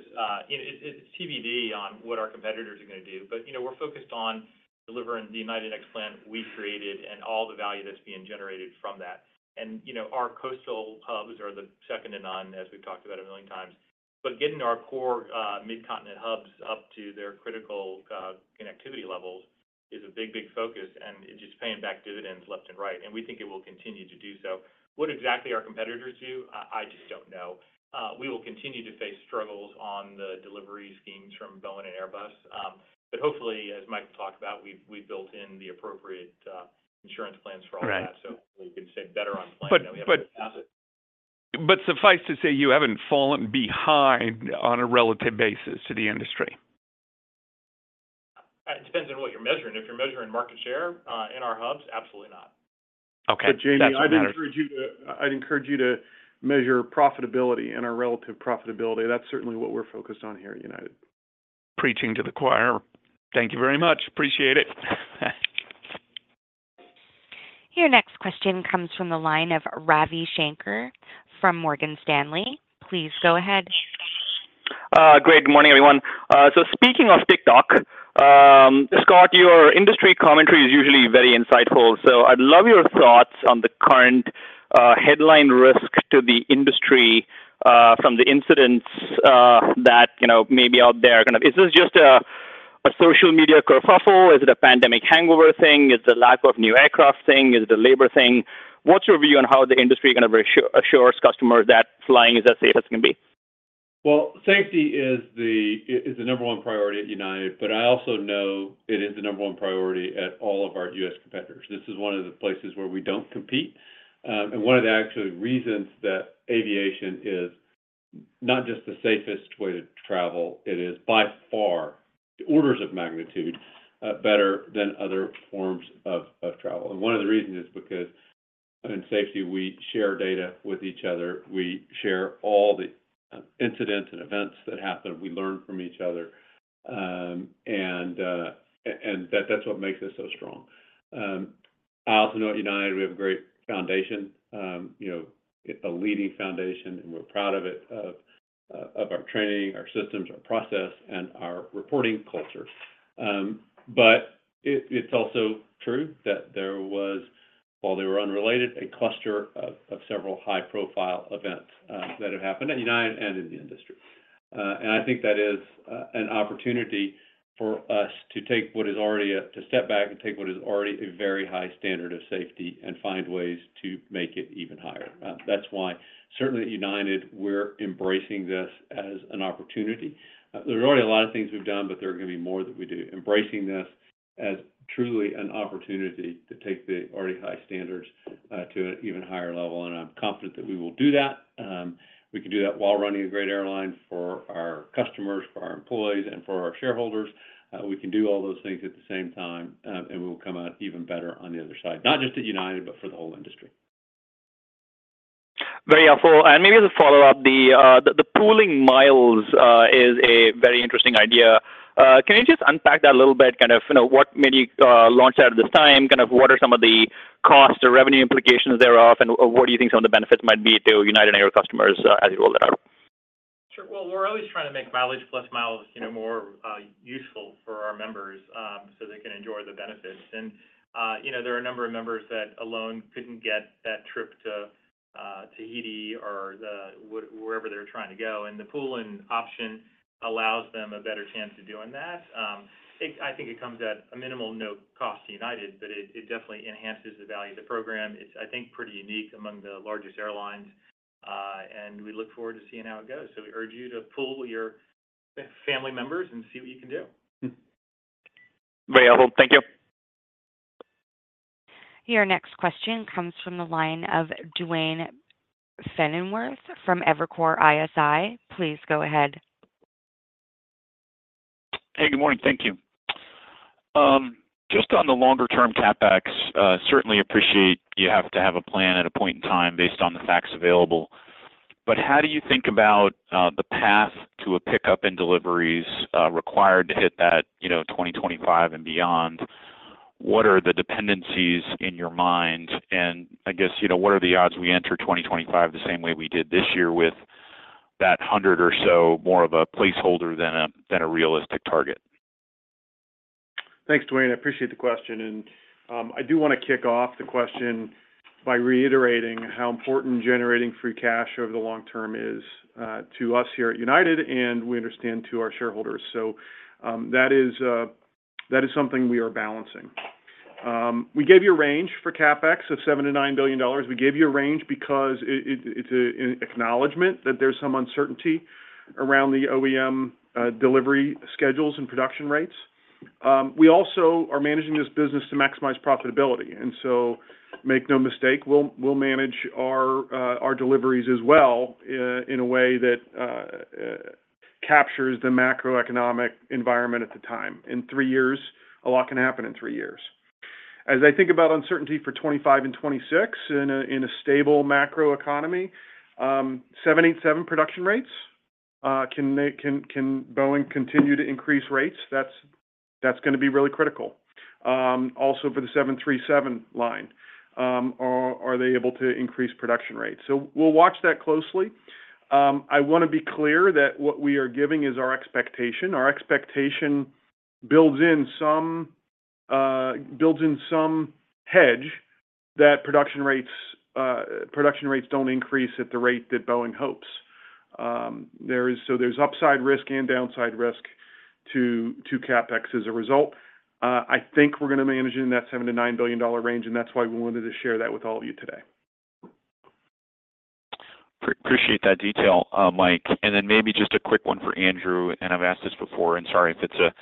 It's TBD on what our competitors are gonna do, but, you know, we're focused on delivering the United Next plan we created and all the value that's being generated from that. And, you know, our coastal hubs are the second to none, as we've talked about a million times. But getting our core mid-continent hubs up to their critical connectivity levels is a big, big focus, and it's just paying back dividends left and right, and we think it will continue to do so. What exactly our competitors do, I, I just don't know. We will continue to face struggles on the delivery schemes from Boeing and Airbus. But hopefully, as Mike talked about, we've built in the appropriate insurance plans for all that- Right so we can stay better on plan than we have in the past. Suffice to say, you haven't fallen behind on a relative basis to the industry? It depends on what you're measuring. If you're measuring market share, in our hubs, absolutely not. Okay, that's what matters. Jamie, I'd encourage you to, I'd encourage you to measure profitability and our relative profitability. That's certainly what we're focused on here at United. Preaching to the choir. Thank you very much. Appreciate it. Your next question comes from the line of Ravi Shanker from Morgan Stanley. Please go ahead. Great. Good morning, everyone. So speaking of TikTok, Scott, your industry commentary is usually very insightful, so I'd love your thoughts on the current headline risk to the industry from the incidents that, you know, may be out there. Kind of is this just a social media kerfuffle? Is it a pandemic hangover thing? Is it a lack of new aircraft thing? Is it a labor thing? What's your view on how the industry is gonna reassure, assure its customers that flying is as safe as can be? Well, safety is the number one priority at United, but I also know it is the number one priority at all of our U.S. competitors. This is one of the places where we don't compete, and one of the actually reasons that aviation is not just the safest way to travel, it is by far, orders of magnitude, better than other forms of travel. And one of the reasons is because in safety, we share data with each other. We share all the incidents and events that happen. We learn from each other, and that's what makes us so strong. I also know at United, we have a great foundation. You know, it's a leading foundation, and we're proud of it, of our training, our systems, our process, and our reporting culture. But it's also true that there was, while they were unrelated, a cluster of several high-profile events that have happened at United and in the industry. And I think that is an opportunity for us to step back and take what is already a very high standard of safety and find ways to make it even higher. That's why certainly at United, we're embracing this as an opportunity. There are already a lot of things we've done, but there are gonna be more that we do, embracing this as truly an opportunity to take the already high standards to an even higher level, and I'm confident that we will do that. We can do that while running a great airline for our customers, for our employees, and for our shareholders. We can do all those things at the same time, and we will come out even better on the other side, not just at United, but for the whole industry. Very helpful. And maybe to follow up, the pooling miles is a very interesting idea. Can you just unpack that a little bit? Kind of, you know, what made you launch out at this time? Kind of, what are some of the cost or revenue implications thereof, and what do you think some of the benefits might be to United Airlines customers as you roll that out? Sure. Well, we're always trying to make MileagePlus miles, you know, more useful for our members, so they can enjoy the benefits. And, you know, there are a number of members that alone couldn't get that trip to Tahiti or wherever they're trying to go, and the pooling option allows them a better chance of doing that. I think it comes at a minimal, no cost to United, but it definitely enhances the value of the program. It's, I think, pretty unique among the largest airlines, and we look forward to seeing how it goes. So we urge you to pool your family members and see what you can do. Very helpful. Thank you. Your next question comes from the line of Duane Pfennigwerth from Evercore ISI. Please go ahead. Hey, good morning. Thank you. Just on the longer-term CapEx, certainly appreciate you have to have a plan at a point in time based on the facts available. But how do you think about the path to a pickup in deliveries required to hit that, you know, 2025 and beyond? What are the dependencies in your mind? And I guess, you know, what are the odds we enter 2025 the same way we did this year, with that 100 or so more of a placeholder than a realistic target? Thanks, Duane. I appreciate the question, and I do want to kick off the question by reiterating how important generating free cash over the long term is to us here at United, and we understand to our shareholders. So, that is something we are balancing. We gave you a range for CapEx of $7 billion-$9 billion. We gave you a range because it's an acknowledgment that there's some uncertainty around the OEM delivery schedules and production rates. We also are managing this business to maximize profitability, and so make no mistake, we'll manage our deliveries as well in a way that captures the macroeconomic environment at the time. In three years, a lot can happen in three years. As I think about uncertainty for 2025 and 2026 in a stable macroeconomy, 787 production rates, can Boeing continue to increase rates? That's gonna be really critical. Also for the 737 line, are they able to increase production rates? So we'll watch that closely. I want to be clear that what we are giving is our expectation. Our expectation builds in some hedge that production rates don't increase at the rate that Boeing hopes. So there's upside risk and downside risk to CapEx as a result. I think we're gonna manage it in that $7 billion-$9 billion range, and that's why we wanted to share that with all of you today. Appreciate that detail, Mike. And then maybe just a quick one for Andrew, and I've asked this before, and sorry if it's a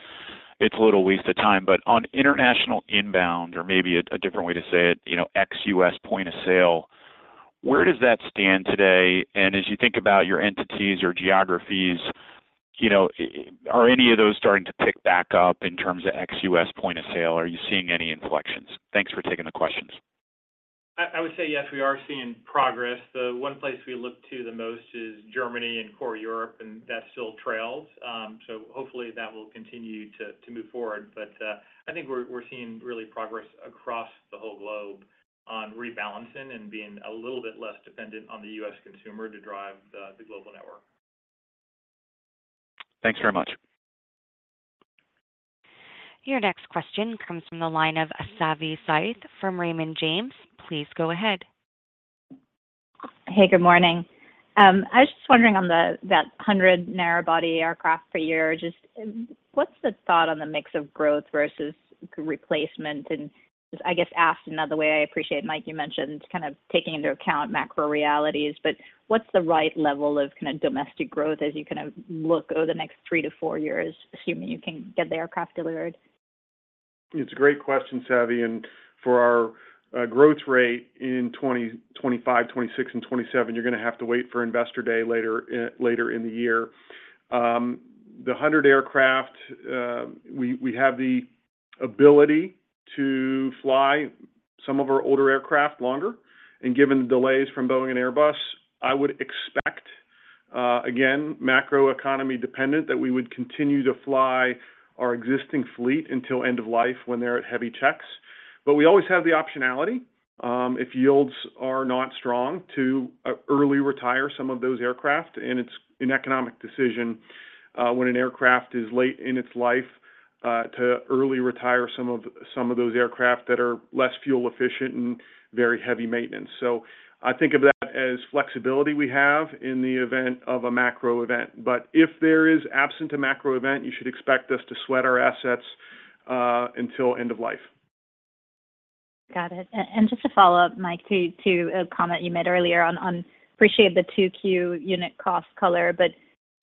little waste of time, but on international inbound, or maybe a different way to say it, you know, are any of those starting to tick back up in terms of ex-U.S. point of sale? Are you seeing any inflections? Thanks for taking the questions. I would say yes, we are seeing progress. The one place we look to the most is Germany and core Europe, and that still trails. So hopefully that will continue to move forward. But I think we're seeing really progress across the whole globe on rebalancing and being a little bit less dependent on the U.S. consumer to drive the global network. Thanks very much. Your next question comes from the line of Savanthi Syth from Raymond James. Please go ahead. Hey, good morning. I was just wondering on the—that 100 narrow body aircraft per year, just what's the thought on the mix of growth versus replacement? And I guess asked another way, I appreciate, Mike, you mentioned kind of taking into account macro realities, but what's the right level of kind of domestic growth as you kind of look over the next three to four years, assuming you can get the aircraft delivered? It's a great question, Savvy, and for our growth rate in 2025, 2026, and 2027, you're gonna have to wait for Investor Day later in the year. The 100 aircraft, we have the ability to fly some of our older aircraft longer, and given the delays from Boeing and Airbus, I would expect, again, macroeconomy dependent, that we would continue to fly our existing fleet until end of life when they're at heavy checks. But we always have the optionality, if yields are not strong, to early retire some of those aircraft, and it's an economic decision, when an aircraft is late in its life, to early retire some of those aircraft that are less fuel efficient and very heavy maintenance. So I think of that as flexibility we have in the event of a macro event. But if there is absent a macro event, you should expect us to sweat our assets, until end of life. Got it. Just to follow up, Mike, to a comment you made earlier on, appreciate the 2Q unit cost color, but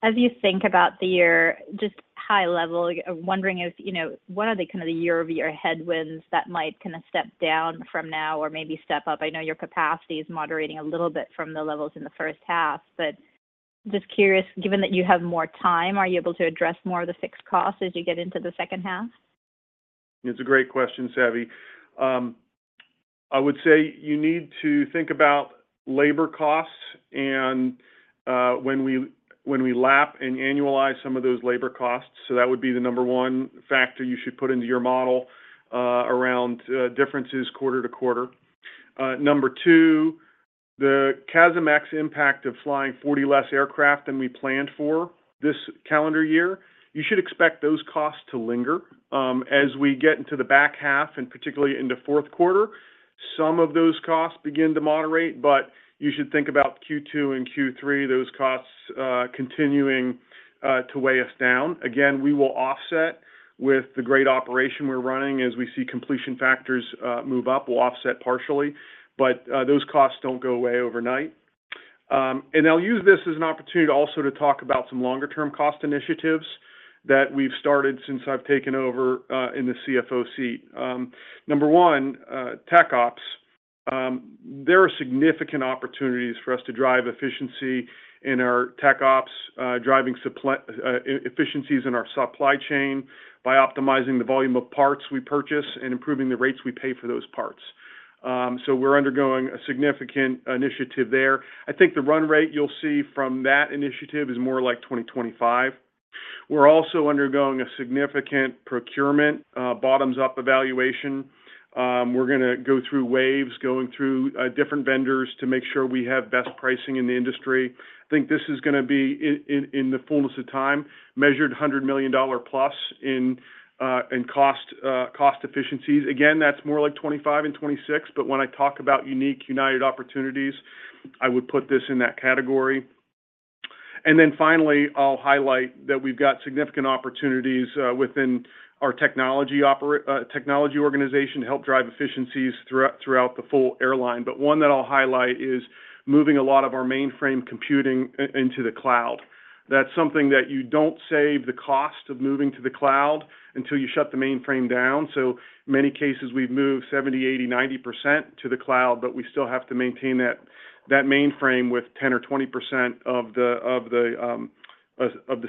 as you think about the year, just high level, wondering if, you know, what are the kind of the year-over-year headwinds that might kind of step down from now or maybe step up? I know your capacity is moderating a little bit from the levels in the first half, but just curious, given that you have more time, are you able to address more of the fixed costs as you get into the second half? It's a great question, Savvy. I would say you need to think about labor costs and, when we lap and annualize some of those labor costs. So that would be the number one factor you should put into your model, around differences quarter-over-quarter. Number two, the CASM-ex impact of flying 40 less aircraft than we planned for this calendar year, you should expect those costs to linger. As we get into the back half, and particularly in the fourth quarter, some of those costs begin to moderate, but you should think about Q2 and Q3, those costs continuing to weigh us down. Again, we will offset with the great operation we're running. As we see completion factors move up, we'll offset partially, but those costs don't go away overnight. And I'll use this as an opportunity to also to talk about some longer-term cost initiatives that we've started since I've taken over, in the CFO seat. Number one, Tech Ops. There are significant opportunities for us to drive efficiency in our Tech Ops, driving supply efficiencies in our supply chain by optimizing the volume of parts we purchase and improving the rates we pay for those parts. So we're undergoing a significant initiative there. I think the run rate you'll see from that initiative is more like 2025. We're also undergoing a significant procurement bottoms-up evaluation. We're gonna go through waves, going through different vendors to make sure we have best pricing in the industry. I think this is gonna be, in the fullness of time, measured in hundred million dollar plus in cost efficiencies. Again, that's more like 25 and 26, but when I talk about unique United opportunities, I would put this in that category. And then finally, I'll highlight that we've got significant opportunities within our technology organization to help drive efficiencies throughout the full airline. But one that I'll highlight is moving a lot of our mainframe computing into the cloud. That's something that you don't save the cost of moving to the cloud until you shut the mainframe down. In many cases, we've moved 70, 80, 90% to the cloud, but we still have to maintain that mainframe with 10 or 20% of the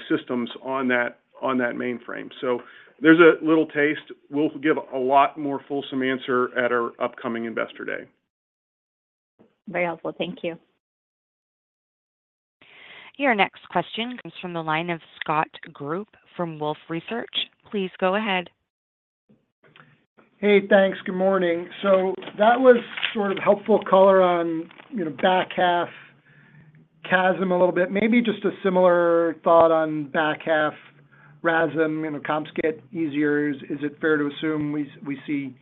systems on that mainframe. There's a little taste. We'll give a lot more fulsome answer at our upcoming Investor Day. Very helpful. Thank you. Your next question comes from the line of Scott Group from Wolfe Research. Please go ahead. Hey, thanks. Good morning. So that was sort of helpful color on, you know, back half CASM a little bit. Maybe just a similar thought on back half RASM, you know, comps get easier. Is it fair to assume we see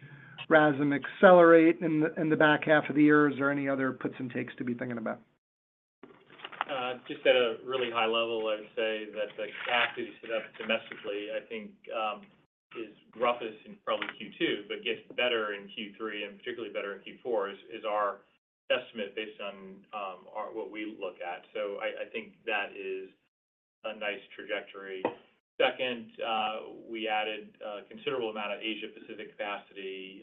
RASM accelerate in the back half of the year? Is there any other puts and takes to be thinking about? Just at a really high level, I'd say that the capacity set up domestically, I think, is roughest in probably Q2, but gets better in Q3, and particularly better in Q4, is our estimate based on what we look at. So I think that is a nice trajectory. Second, we added a considerable amount of Asia Pacific capacity,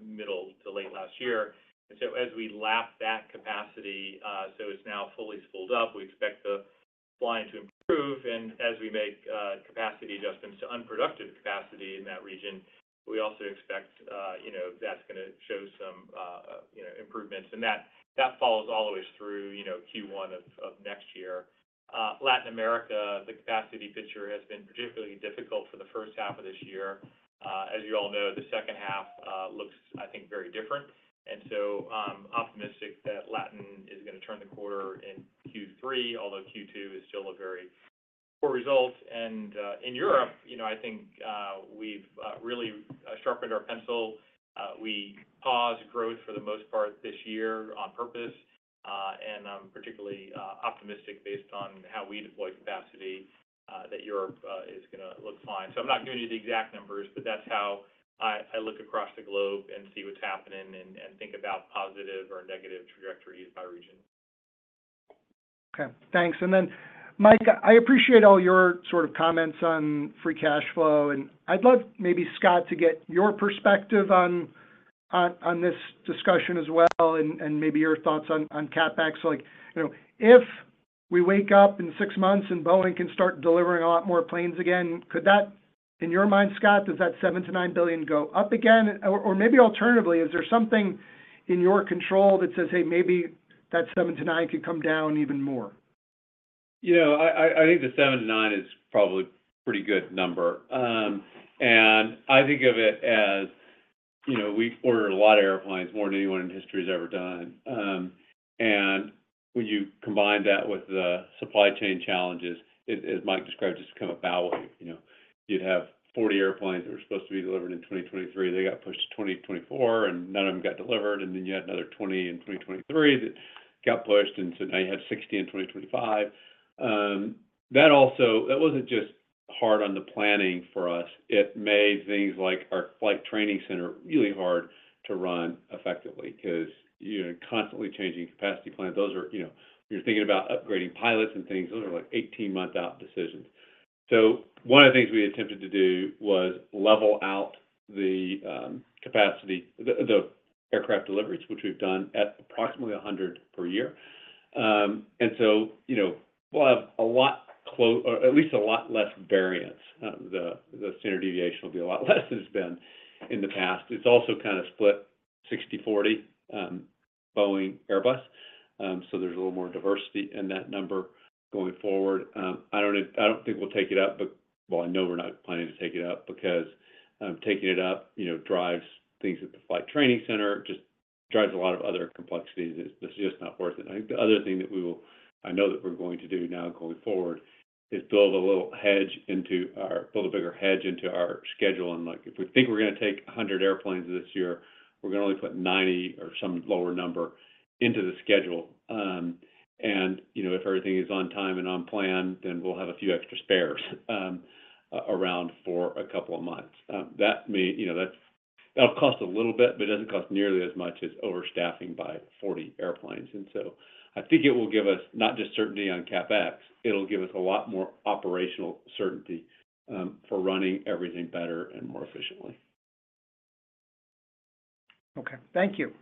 middle to late last year, and so as we lap that capacity, so it's now fully spooled up, we expect the flying to improve. And as we make capacity adjustments to unproductive capacity in that region, we also expect, you know, that's gonna show some, you know, improvements. And that follows all the way through, you know, Q1 of next year. Latin America, the capacity picture has been particularly difficult for the first half of this year. As you all know, the second half looks, I think, very different. And so, I'm optimistic that Latin is gonna turn the corner in Q3, although Q2 is still a very poor result. And in Europe, you know, I think we've really sharpened our pencil. We paused growth for the most part this year on purpose, and I'm particularly optimistic based on how we deploy capacity that Europe is gonna look fine. So I'm not giving you the exact numbers, but that's how I, I look across the globe and see what's happening and, and think about positive or negative trajectories by region. Okay, thanks. And then, Mike, I appreciate all your sort of comments on free cash flow, and I'd love maybe, Scott, to get your perspective on this discussion as well, and maybe your thoughts on CapEx. Like, you know, if we wake up in six months and Boeing can start delivering a lot more planes again, could that, in your mind, Scott, does that $7 billion-$9 billion go up again? Or maybe alternatively, is there something in your control that says, "Hey, maybe that $7 billion-$9 billion could come down even more? You know, I think the 7-9 is probably pretty good number. And I think of it as, you know, we order a lot of airplanes, more than anyone in history has ever done. And when you combine that with the supply chain challenges, as Mike described, just kind of a bow wave, you know. You'd have 40 airplanes that were supposed to be delivered in 2023, they got pushed to 2024, and none of them got delivered. And then you had another 20 in 2023 that got pushed, and so now you have 60 in 2025. That also-- that wasn't just hard on the planning for us, it made things like our Flight Training Center really hard to run effectively because you're constantly changing capacity plans. Those are—you know, you're thinking about upgrading pilots and things, those are like 18-month-out decisions. So one of the things we attempted to do was level out the capacity, the aircraft deliveries, which we've done at approximately 100 per year. And so, you know, we'll have a lot closer or at least a lot less variance. The standard deviation will be a lot less than it's been in the past. It's also kind of split 60/40, Boeing, Airbus, so there's a little more diversity in that number going forward. I don't know—I don't think we'll take it up, but, well, I know we're not planning to take it up because taking it up, you know, drives things at the Flight Training Center, just drives a lot of other complexities. It's just not worth it. I think the other thing that we will-- I know that we're going to do now going forward, is build a little hedge into our-- build a bigger hedge into our schedule. And, like, if we think we're gonna take 100 airplanes this year, we're gonna only put 90 or some lower number into the schedule. And, you know, if everything is on time and on plan, then we'll have a few extra spares around for a couple of months. That may, you know, that's-- that'll cost a little bit, but it doesn't cost nearly as much as overstaffing by 40 airplanes. And so I think it will give us not just certainty on CapEx, it'll give us a lot more operational certainty for running everything better and more efficiently. Okay. Thank you.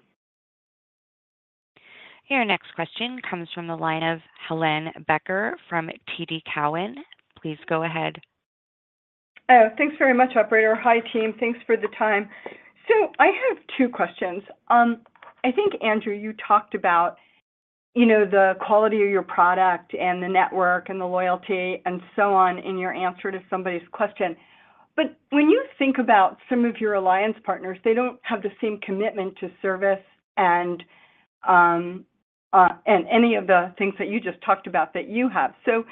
Here, our next question comes from the line of Helane Becker from TD Cowen. Please go ahead. Oh, thanks very much, operator. Hi, team. Thanks for the time. So I have two questions. I think, Andrew, you talked about, you know, the quality of your product and the network and the loyalty and so on in your answer to somebody's question. But when you think about some of your alliance partners, they don't have the same commitment to service and any of the things that you just talked about that you have. So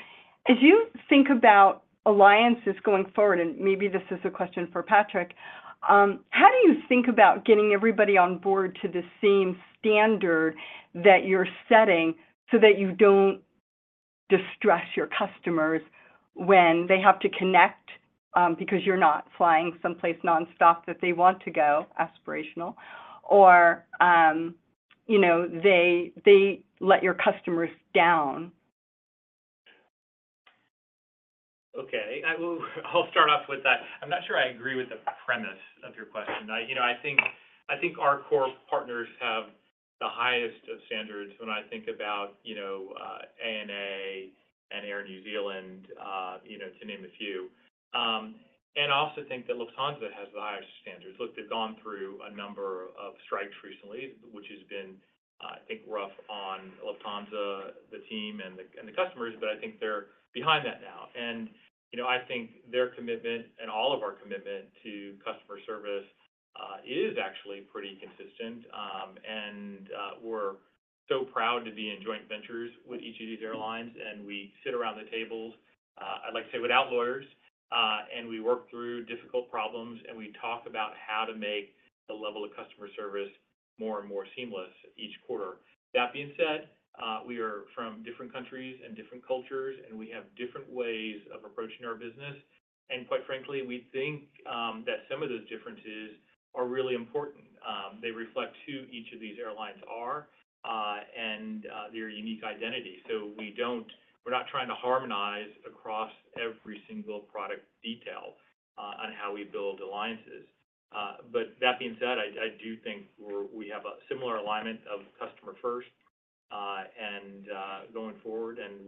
as you think about alliances going forward, and maybe this is a question for Patrick, how do you think about getting everybody on board to the same standard that you're setting so that you don't distress your customers when they have to connect because you're not flying someplace nonstop that they want to go, aspirational, or, you know, they, they let your customers down? Okay. I will, I'll start off with that. I'm not sure I agree with the premise of your question. I, you know, I think our core partners have the highest of standards when I think about, you know, ANA and Air New Zealand, you know, to name a few. And I also think that Lufthansa has the highest standards. Look, they've gone through a number of strikes recently, which has been, I think, rough on Lufthansa, the team, and the customers, but I think they're behind that now. And, you know, I think their commitment and all of our commitment to customer service is actually pretty consistent. And, we're so proud to be in joint ventures with each of these airlines, and we sit around the tables. I'd like to say without lawyers, and we work through difficult problems, and we talk about how to make the level of customer service more and more seamless each quarter. That being said, we are from different countries and different cultures, and we have different ways of approaching our business. And quite frankly, we think that some of those differences are really important. They reflect who each of these airlines are, and their unique identity. So we don't-- we're not trying to harmonize across every single product detail, on how we build alliances. But that being said, I do think we have a similar alignment of customer first, and going forward, and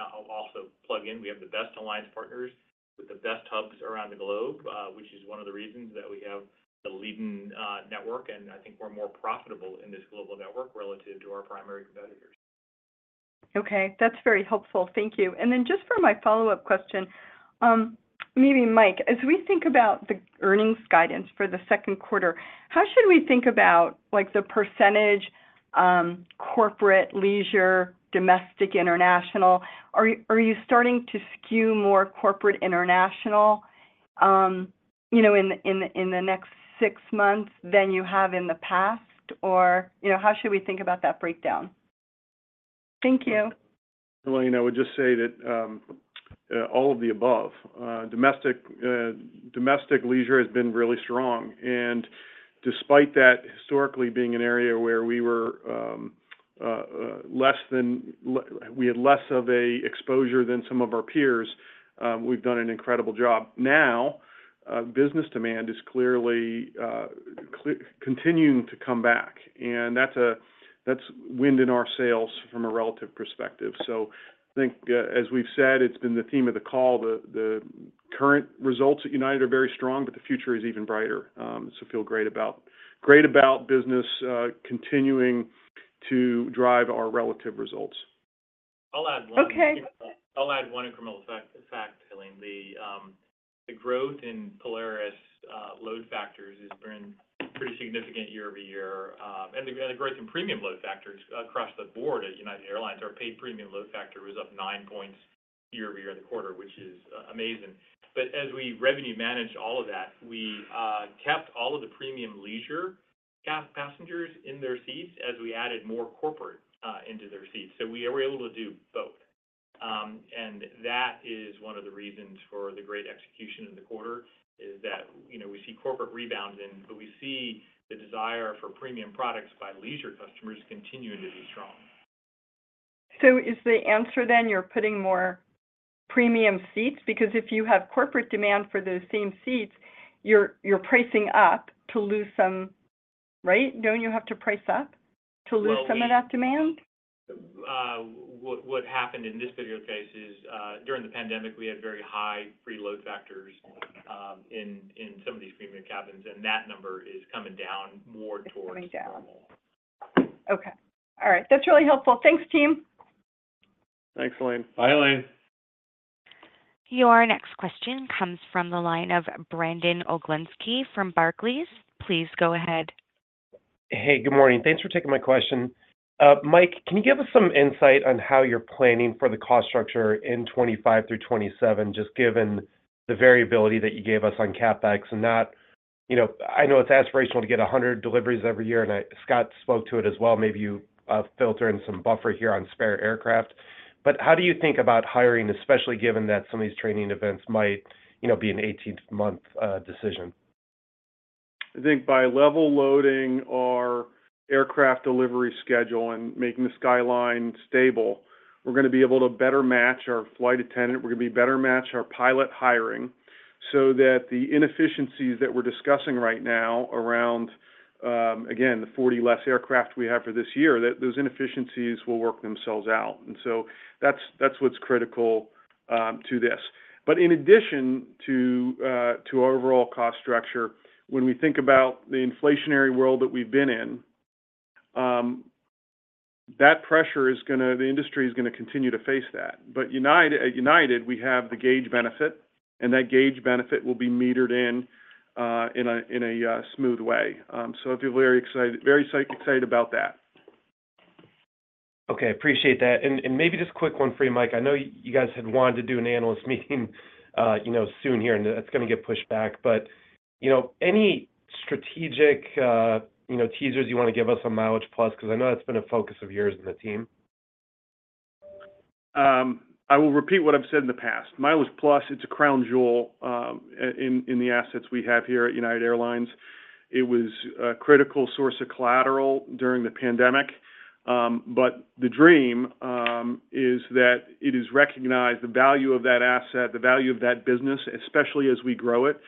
I'll also plug in, we have the best alliance partners with the best hubs around the globe, which is one of the reasons that we have the leading network, and I think we're more profitable in this global network relative to our primary competitors. Okay. That's very helpful. Thank you. And then just for my follow-up question, maybe Mike, as we think about the earnings guidance for the second quarter, how should we think about, like, the percentage, corporate, leisure, domestic, international? Are you, are you starting to skew more corporate international, you know, in the next six months than you have in the past? Or, you know, how should we think about that breakdown? Thank you. Helane, I would just say that, all of the above. Domestic leisure has been really strong, and despite that historically being an area where we had less of an exposure than some of our peers, we've done an incredible job. Now, business demand is clearly continuing to come back, and that's wind in our sails from a relative perspective. So I think, as we've said, it's been the theme of the call, the current results at United are very strong, but the future is even brighter. So feel great about business continuing to drive our relative results. I'll add one. Okay. I'll add one incremental fact, Helane. The growth in Polaris load factors has been pretty significant year-over-year. And the growth in premium load factors across the board as United Airlines, our paid premium load factor was up 9 points year-over-year in the quarter, which is amazing. But as we revenue manage all of that, we kept all of the premium leisure passengers in their seats as we added more corporate into their seats. So we were able to do both. And that is one of the reasons for the great execution in the quarter, is that, you know, we see corporate rebounds, and but we see the desire for premium products by leisure customers continuing to be strong. Is the answer then you're putting more premium seats? Because if you have corporate demand for those same seats, you're, you're pricing up to lose some... Right? Don't you have to price up to lose some of that demand? Well, what happened in this particular case is, during the pandemic, we had very high load factors in some of these premium cabins, and that number is coming down more towards- It's coming down.... normal. Okay. All right. That's really helpful. Thanks, team. Thanks, Helane. Bye, Helane. Your next question comes from the line of Brandon Oglenski from Barclays. Please go ahead. Hey, good morning. Thanks for taking my question. Mike, can you give us some insight on how you're planning for the cost structure in 2025 through 2027, just given the variability that you gave us on CapEx? And that, you know, I know it's aspirational to get 100 deliveries every year, and I Scott spoke to it as well, maybe you filter in some buffer here on spare aircraft. But how do you think about hiring, especially given that some of these training events might, you know, be an 18-month decision? I think by level loading our aircraft delivery schedule and making the skyline stable, we're gonna be able to better match our flight attendant, we're gonna be better match our pilot hiring, so that the inefficiencies that we're discussing right now around, again, the 40 less aircraft we have for this year, that those inefficiencies will work themselves out. And so that's, that's what's critical to this. But in addition to our overall cost structure, when we think about the inflationary world that we've been in, that pressure is gonna, the industry is gonna continue to face that. But United, at United, we have the gauge benefit, and that gauge benefit will be metered in, in a, in a smooth way. So I feel very excited, very excited about that. Okay, appreciate that. And maybe just a quick one for you, Mike. I know you guys had wanted to do an analyst meeting, you know, soon here, and that's gonna get pushed back. But, you know, any strategic, you know, teasers you wanna give us on MileagePlus? Because I know that's been a focus of yours and the team. I will repeat what I've said in the past. MileagePlus, it's a crown jewel in the assets we have here at United Airlines. It was a critical source of collateral during the pandemic. But the dream is that it is recognized, the value of that asset, the value of that business, especially as we grow it,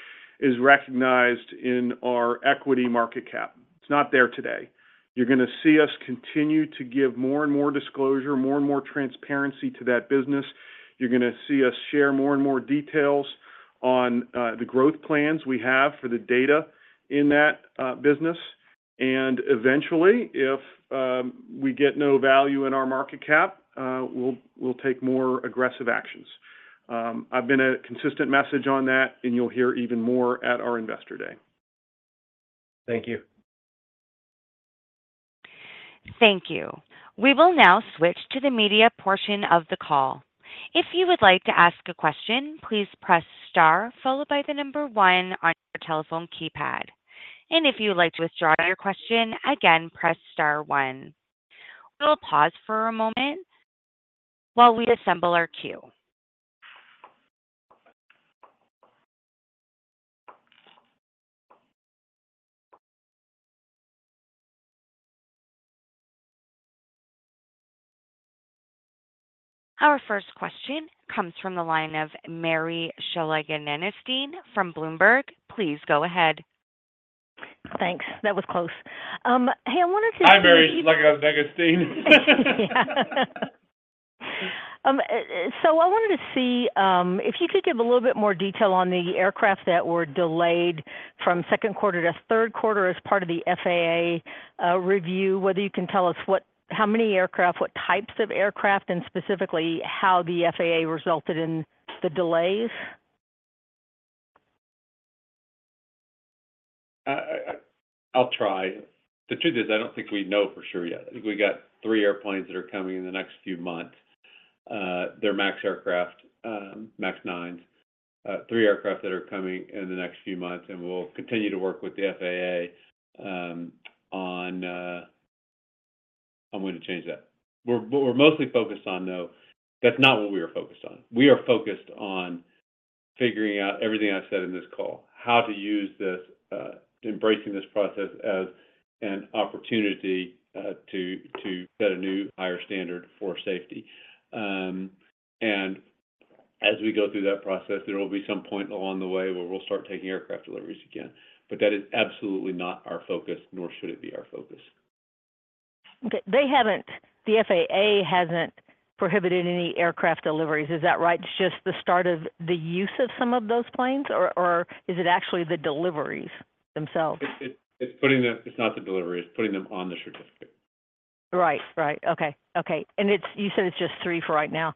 is recognized in our equity market cap. It's not there today. You're gonna see us continue to give more and more disclosure, more and more transparency to that business. You're gonna see us share more and more details on the growth plans we have for the data in that business. And eventually, if we get no value in our market cap, we'll take more aggressive actions. I've been a consistent message on that, and you'll hear even more at our Investor Day. Thank you. Thank you. We will now switch to the media portion of the call. If you would like to ask a question, please press star, followed by the number one on your telephone keypad. And if you would like to withdraw your question, again, press star one. We'll pause for a moment while we assemble our queue. Our first question comes from the line of Mary Schlangenstein from Bloomberg. Please go ahead. Thanks. That was close. Hey, I wanted to- Hi, Mary Schlangenstein. Yeah. So I wanted to see if you could give a little bit more detail on the aircraft that were delayed from second quarter to third quarter as part of the FAA review, whether you can tell us what how many aircraft, what types of aircraft, and specifically how the FAA resulted in the delays? I'll try. The truth is, I don't think we know for sure yet. I think we got three airplanes that are coming in the next few months. They're MAX aircraft, MAX 9s. Three aircraft that are coming in the next few months, and we'll continue to work with the FAA, on I'm going to change that. We're but we're mostly focused on, though, that's not what we are focused on. We are focused on figuring out everything I've said in this call, how to use this, embracing this process as an opportunity to set a new higher standard for safety. And as we go through that process, there will be some point along the way where we'll start taking aircraft deliveries again, but that is absolutely not our focus, nor should it be our focus. Okay. They haven't, the FAA hasn't prohibited any aircraft deliveries, is that right? It's just the start of the use of some of those planes, or, or is it actually the deliveries themselves? It's putting them. It's not the delivery. It's putting them on the certificate. Right. Right. Okay. Okay. And it's, you said it's just three for right now.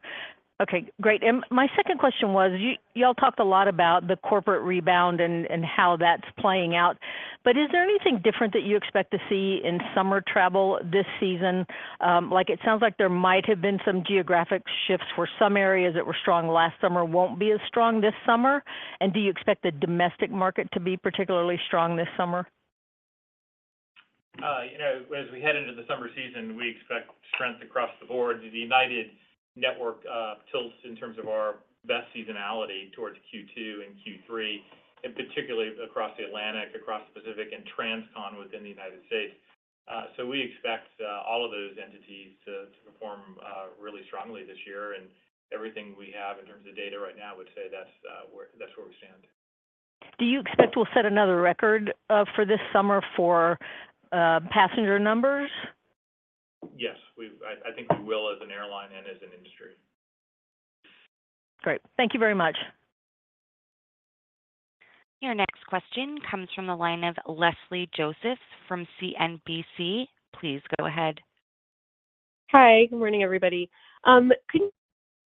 Okay, great. And my second question was, y'all talked a lot about the corporate rebound and, and how that's playing out, but is there anything different that you expect to see in summer travel this season? Like, it sounds like there might have been some geographic shifts, where some areas that were strong last summer won't be as strong this summer. And do you expect the domestic market to be particularly strong this summer? You know, as we head into the summer season, we expect strength across the board. The United Network tilts in terms of our best seasonality towards Q2 and Q3, and particularly across the Atlantic, across the Pacific, and transcon within the United States. So we expect all of those entities to perform really strongly this year. And everything we have in terms of data right now would say that's where we stand. Do you expect we'll set another record for this summer for passenger numbers? Yes. We've, I think we will as an airline and as an industry. Great. Thank you very much. Your next question comes from the line of Leslie Josephs from CNBC. Please go ahead. Hi, good morning, everybody. Can you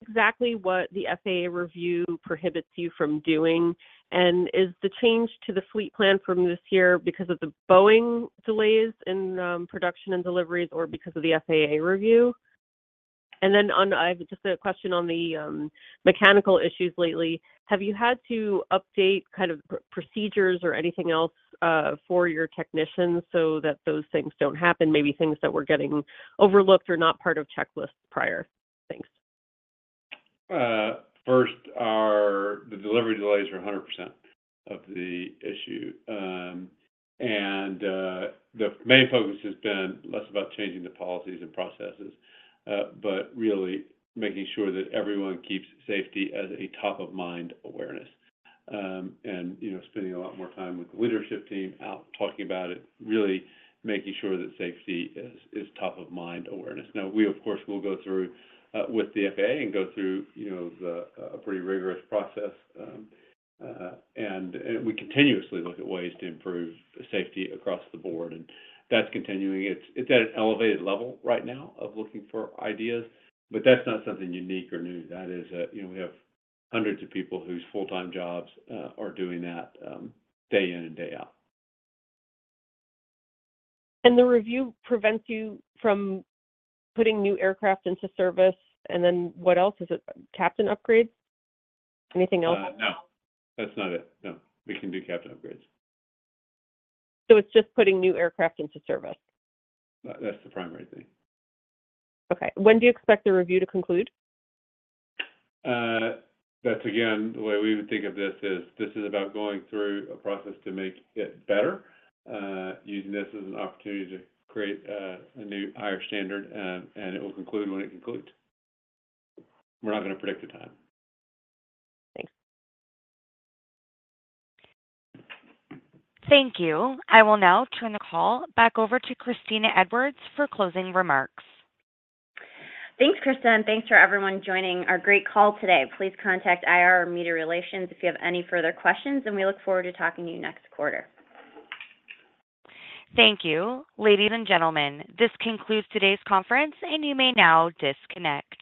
exactly what the FAA review prohibits you from doing? And is the change to the fleet plan from this year because of the Boeing delays in production and deliveries, or because of the FAA review? And then I have just a question on the mechanical issues lately. Have you had to update kind of procedures or anything else for your technicians so that those things don't happen, maybe things that were getting overlooked or not part of checklists prior? Thanks. First, the delivery delays are 100% of the issue. The main focus has been less about changing the policies and processes, but really making sure that everyone keeps safety as a top-of-mind awareness. You know, spending a lot more time with the leadership team out, talking about it, really making sure that safety is top-of-mind awareness. Now, we, of course, will go through with the FAA and go through, you know, a pretty rigorous process. We continuously look at ways to improve safety across the board, and that's continuing. It's at an elevated level right now of looking for ideas, but that's not something unique or new. That is, you know, we have hundreds of people whose full-time jobs are doing that, day in and day out. The review prevents you from putting new aircraft into service, and then what else? Is it captain upgrades? Anything else? No. That's not it. No. We can do captain upgrades. So it's just putting new aircraft into service? That, that's the primary thing. Okay. When do you expect the review to conclude? That's again, the way we even think of this is, this is about going through a process to make it better, using this as an opportunity to create a new higher standard. And it will conclude when it concludes. We're not going to predict a time. Thanks. Thank you. I will now turn the call back over to Kristina Edwards for closing remarks. Thanks, Krista, and thanks for everyone joining our great call today. Please contact IR or Media Relations if you have any further questions, and we look forward to talking to you next quarter. Thank you. Ladies and gentlemen, this concludes today's conference, and you may now disconnect.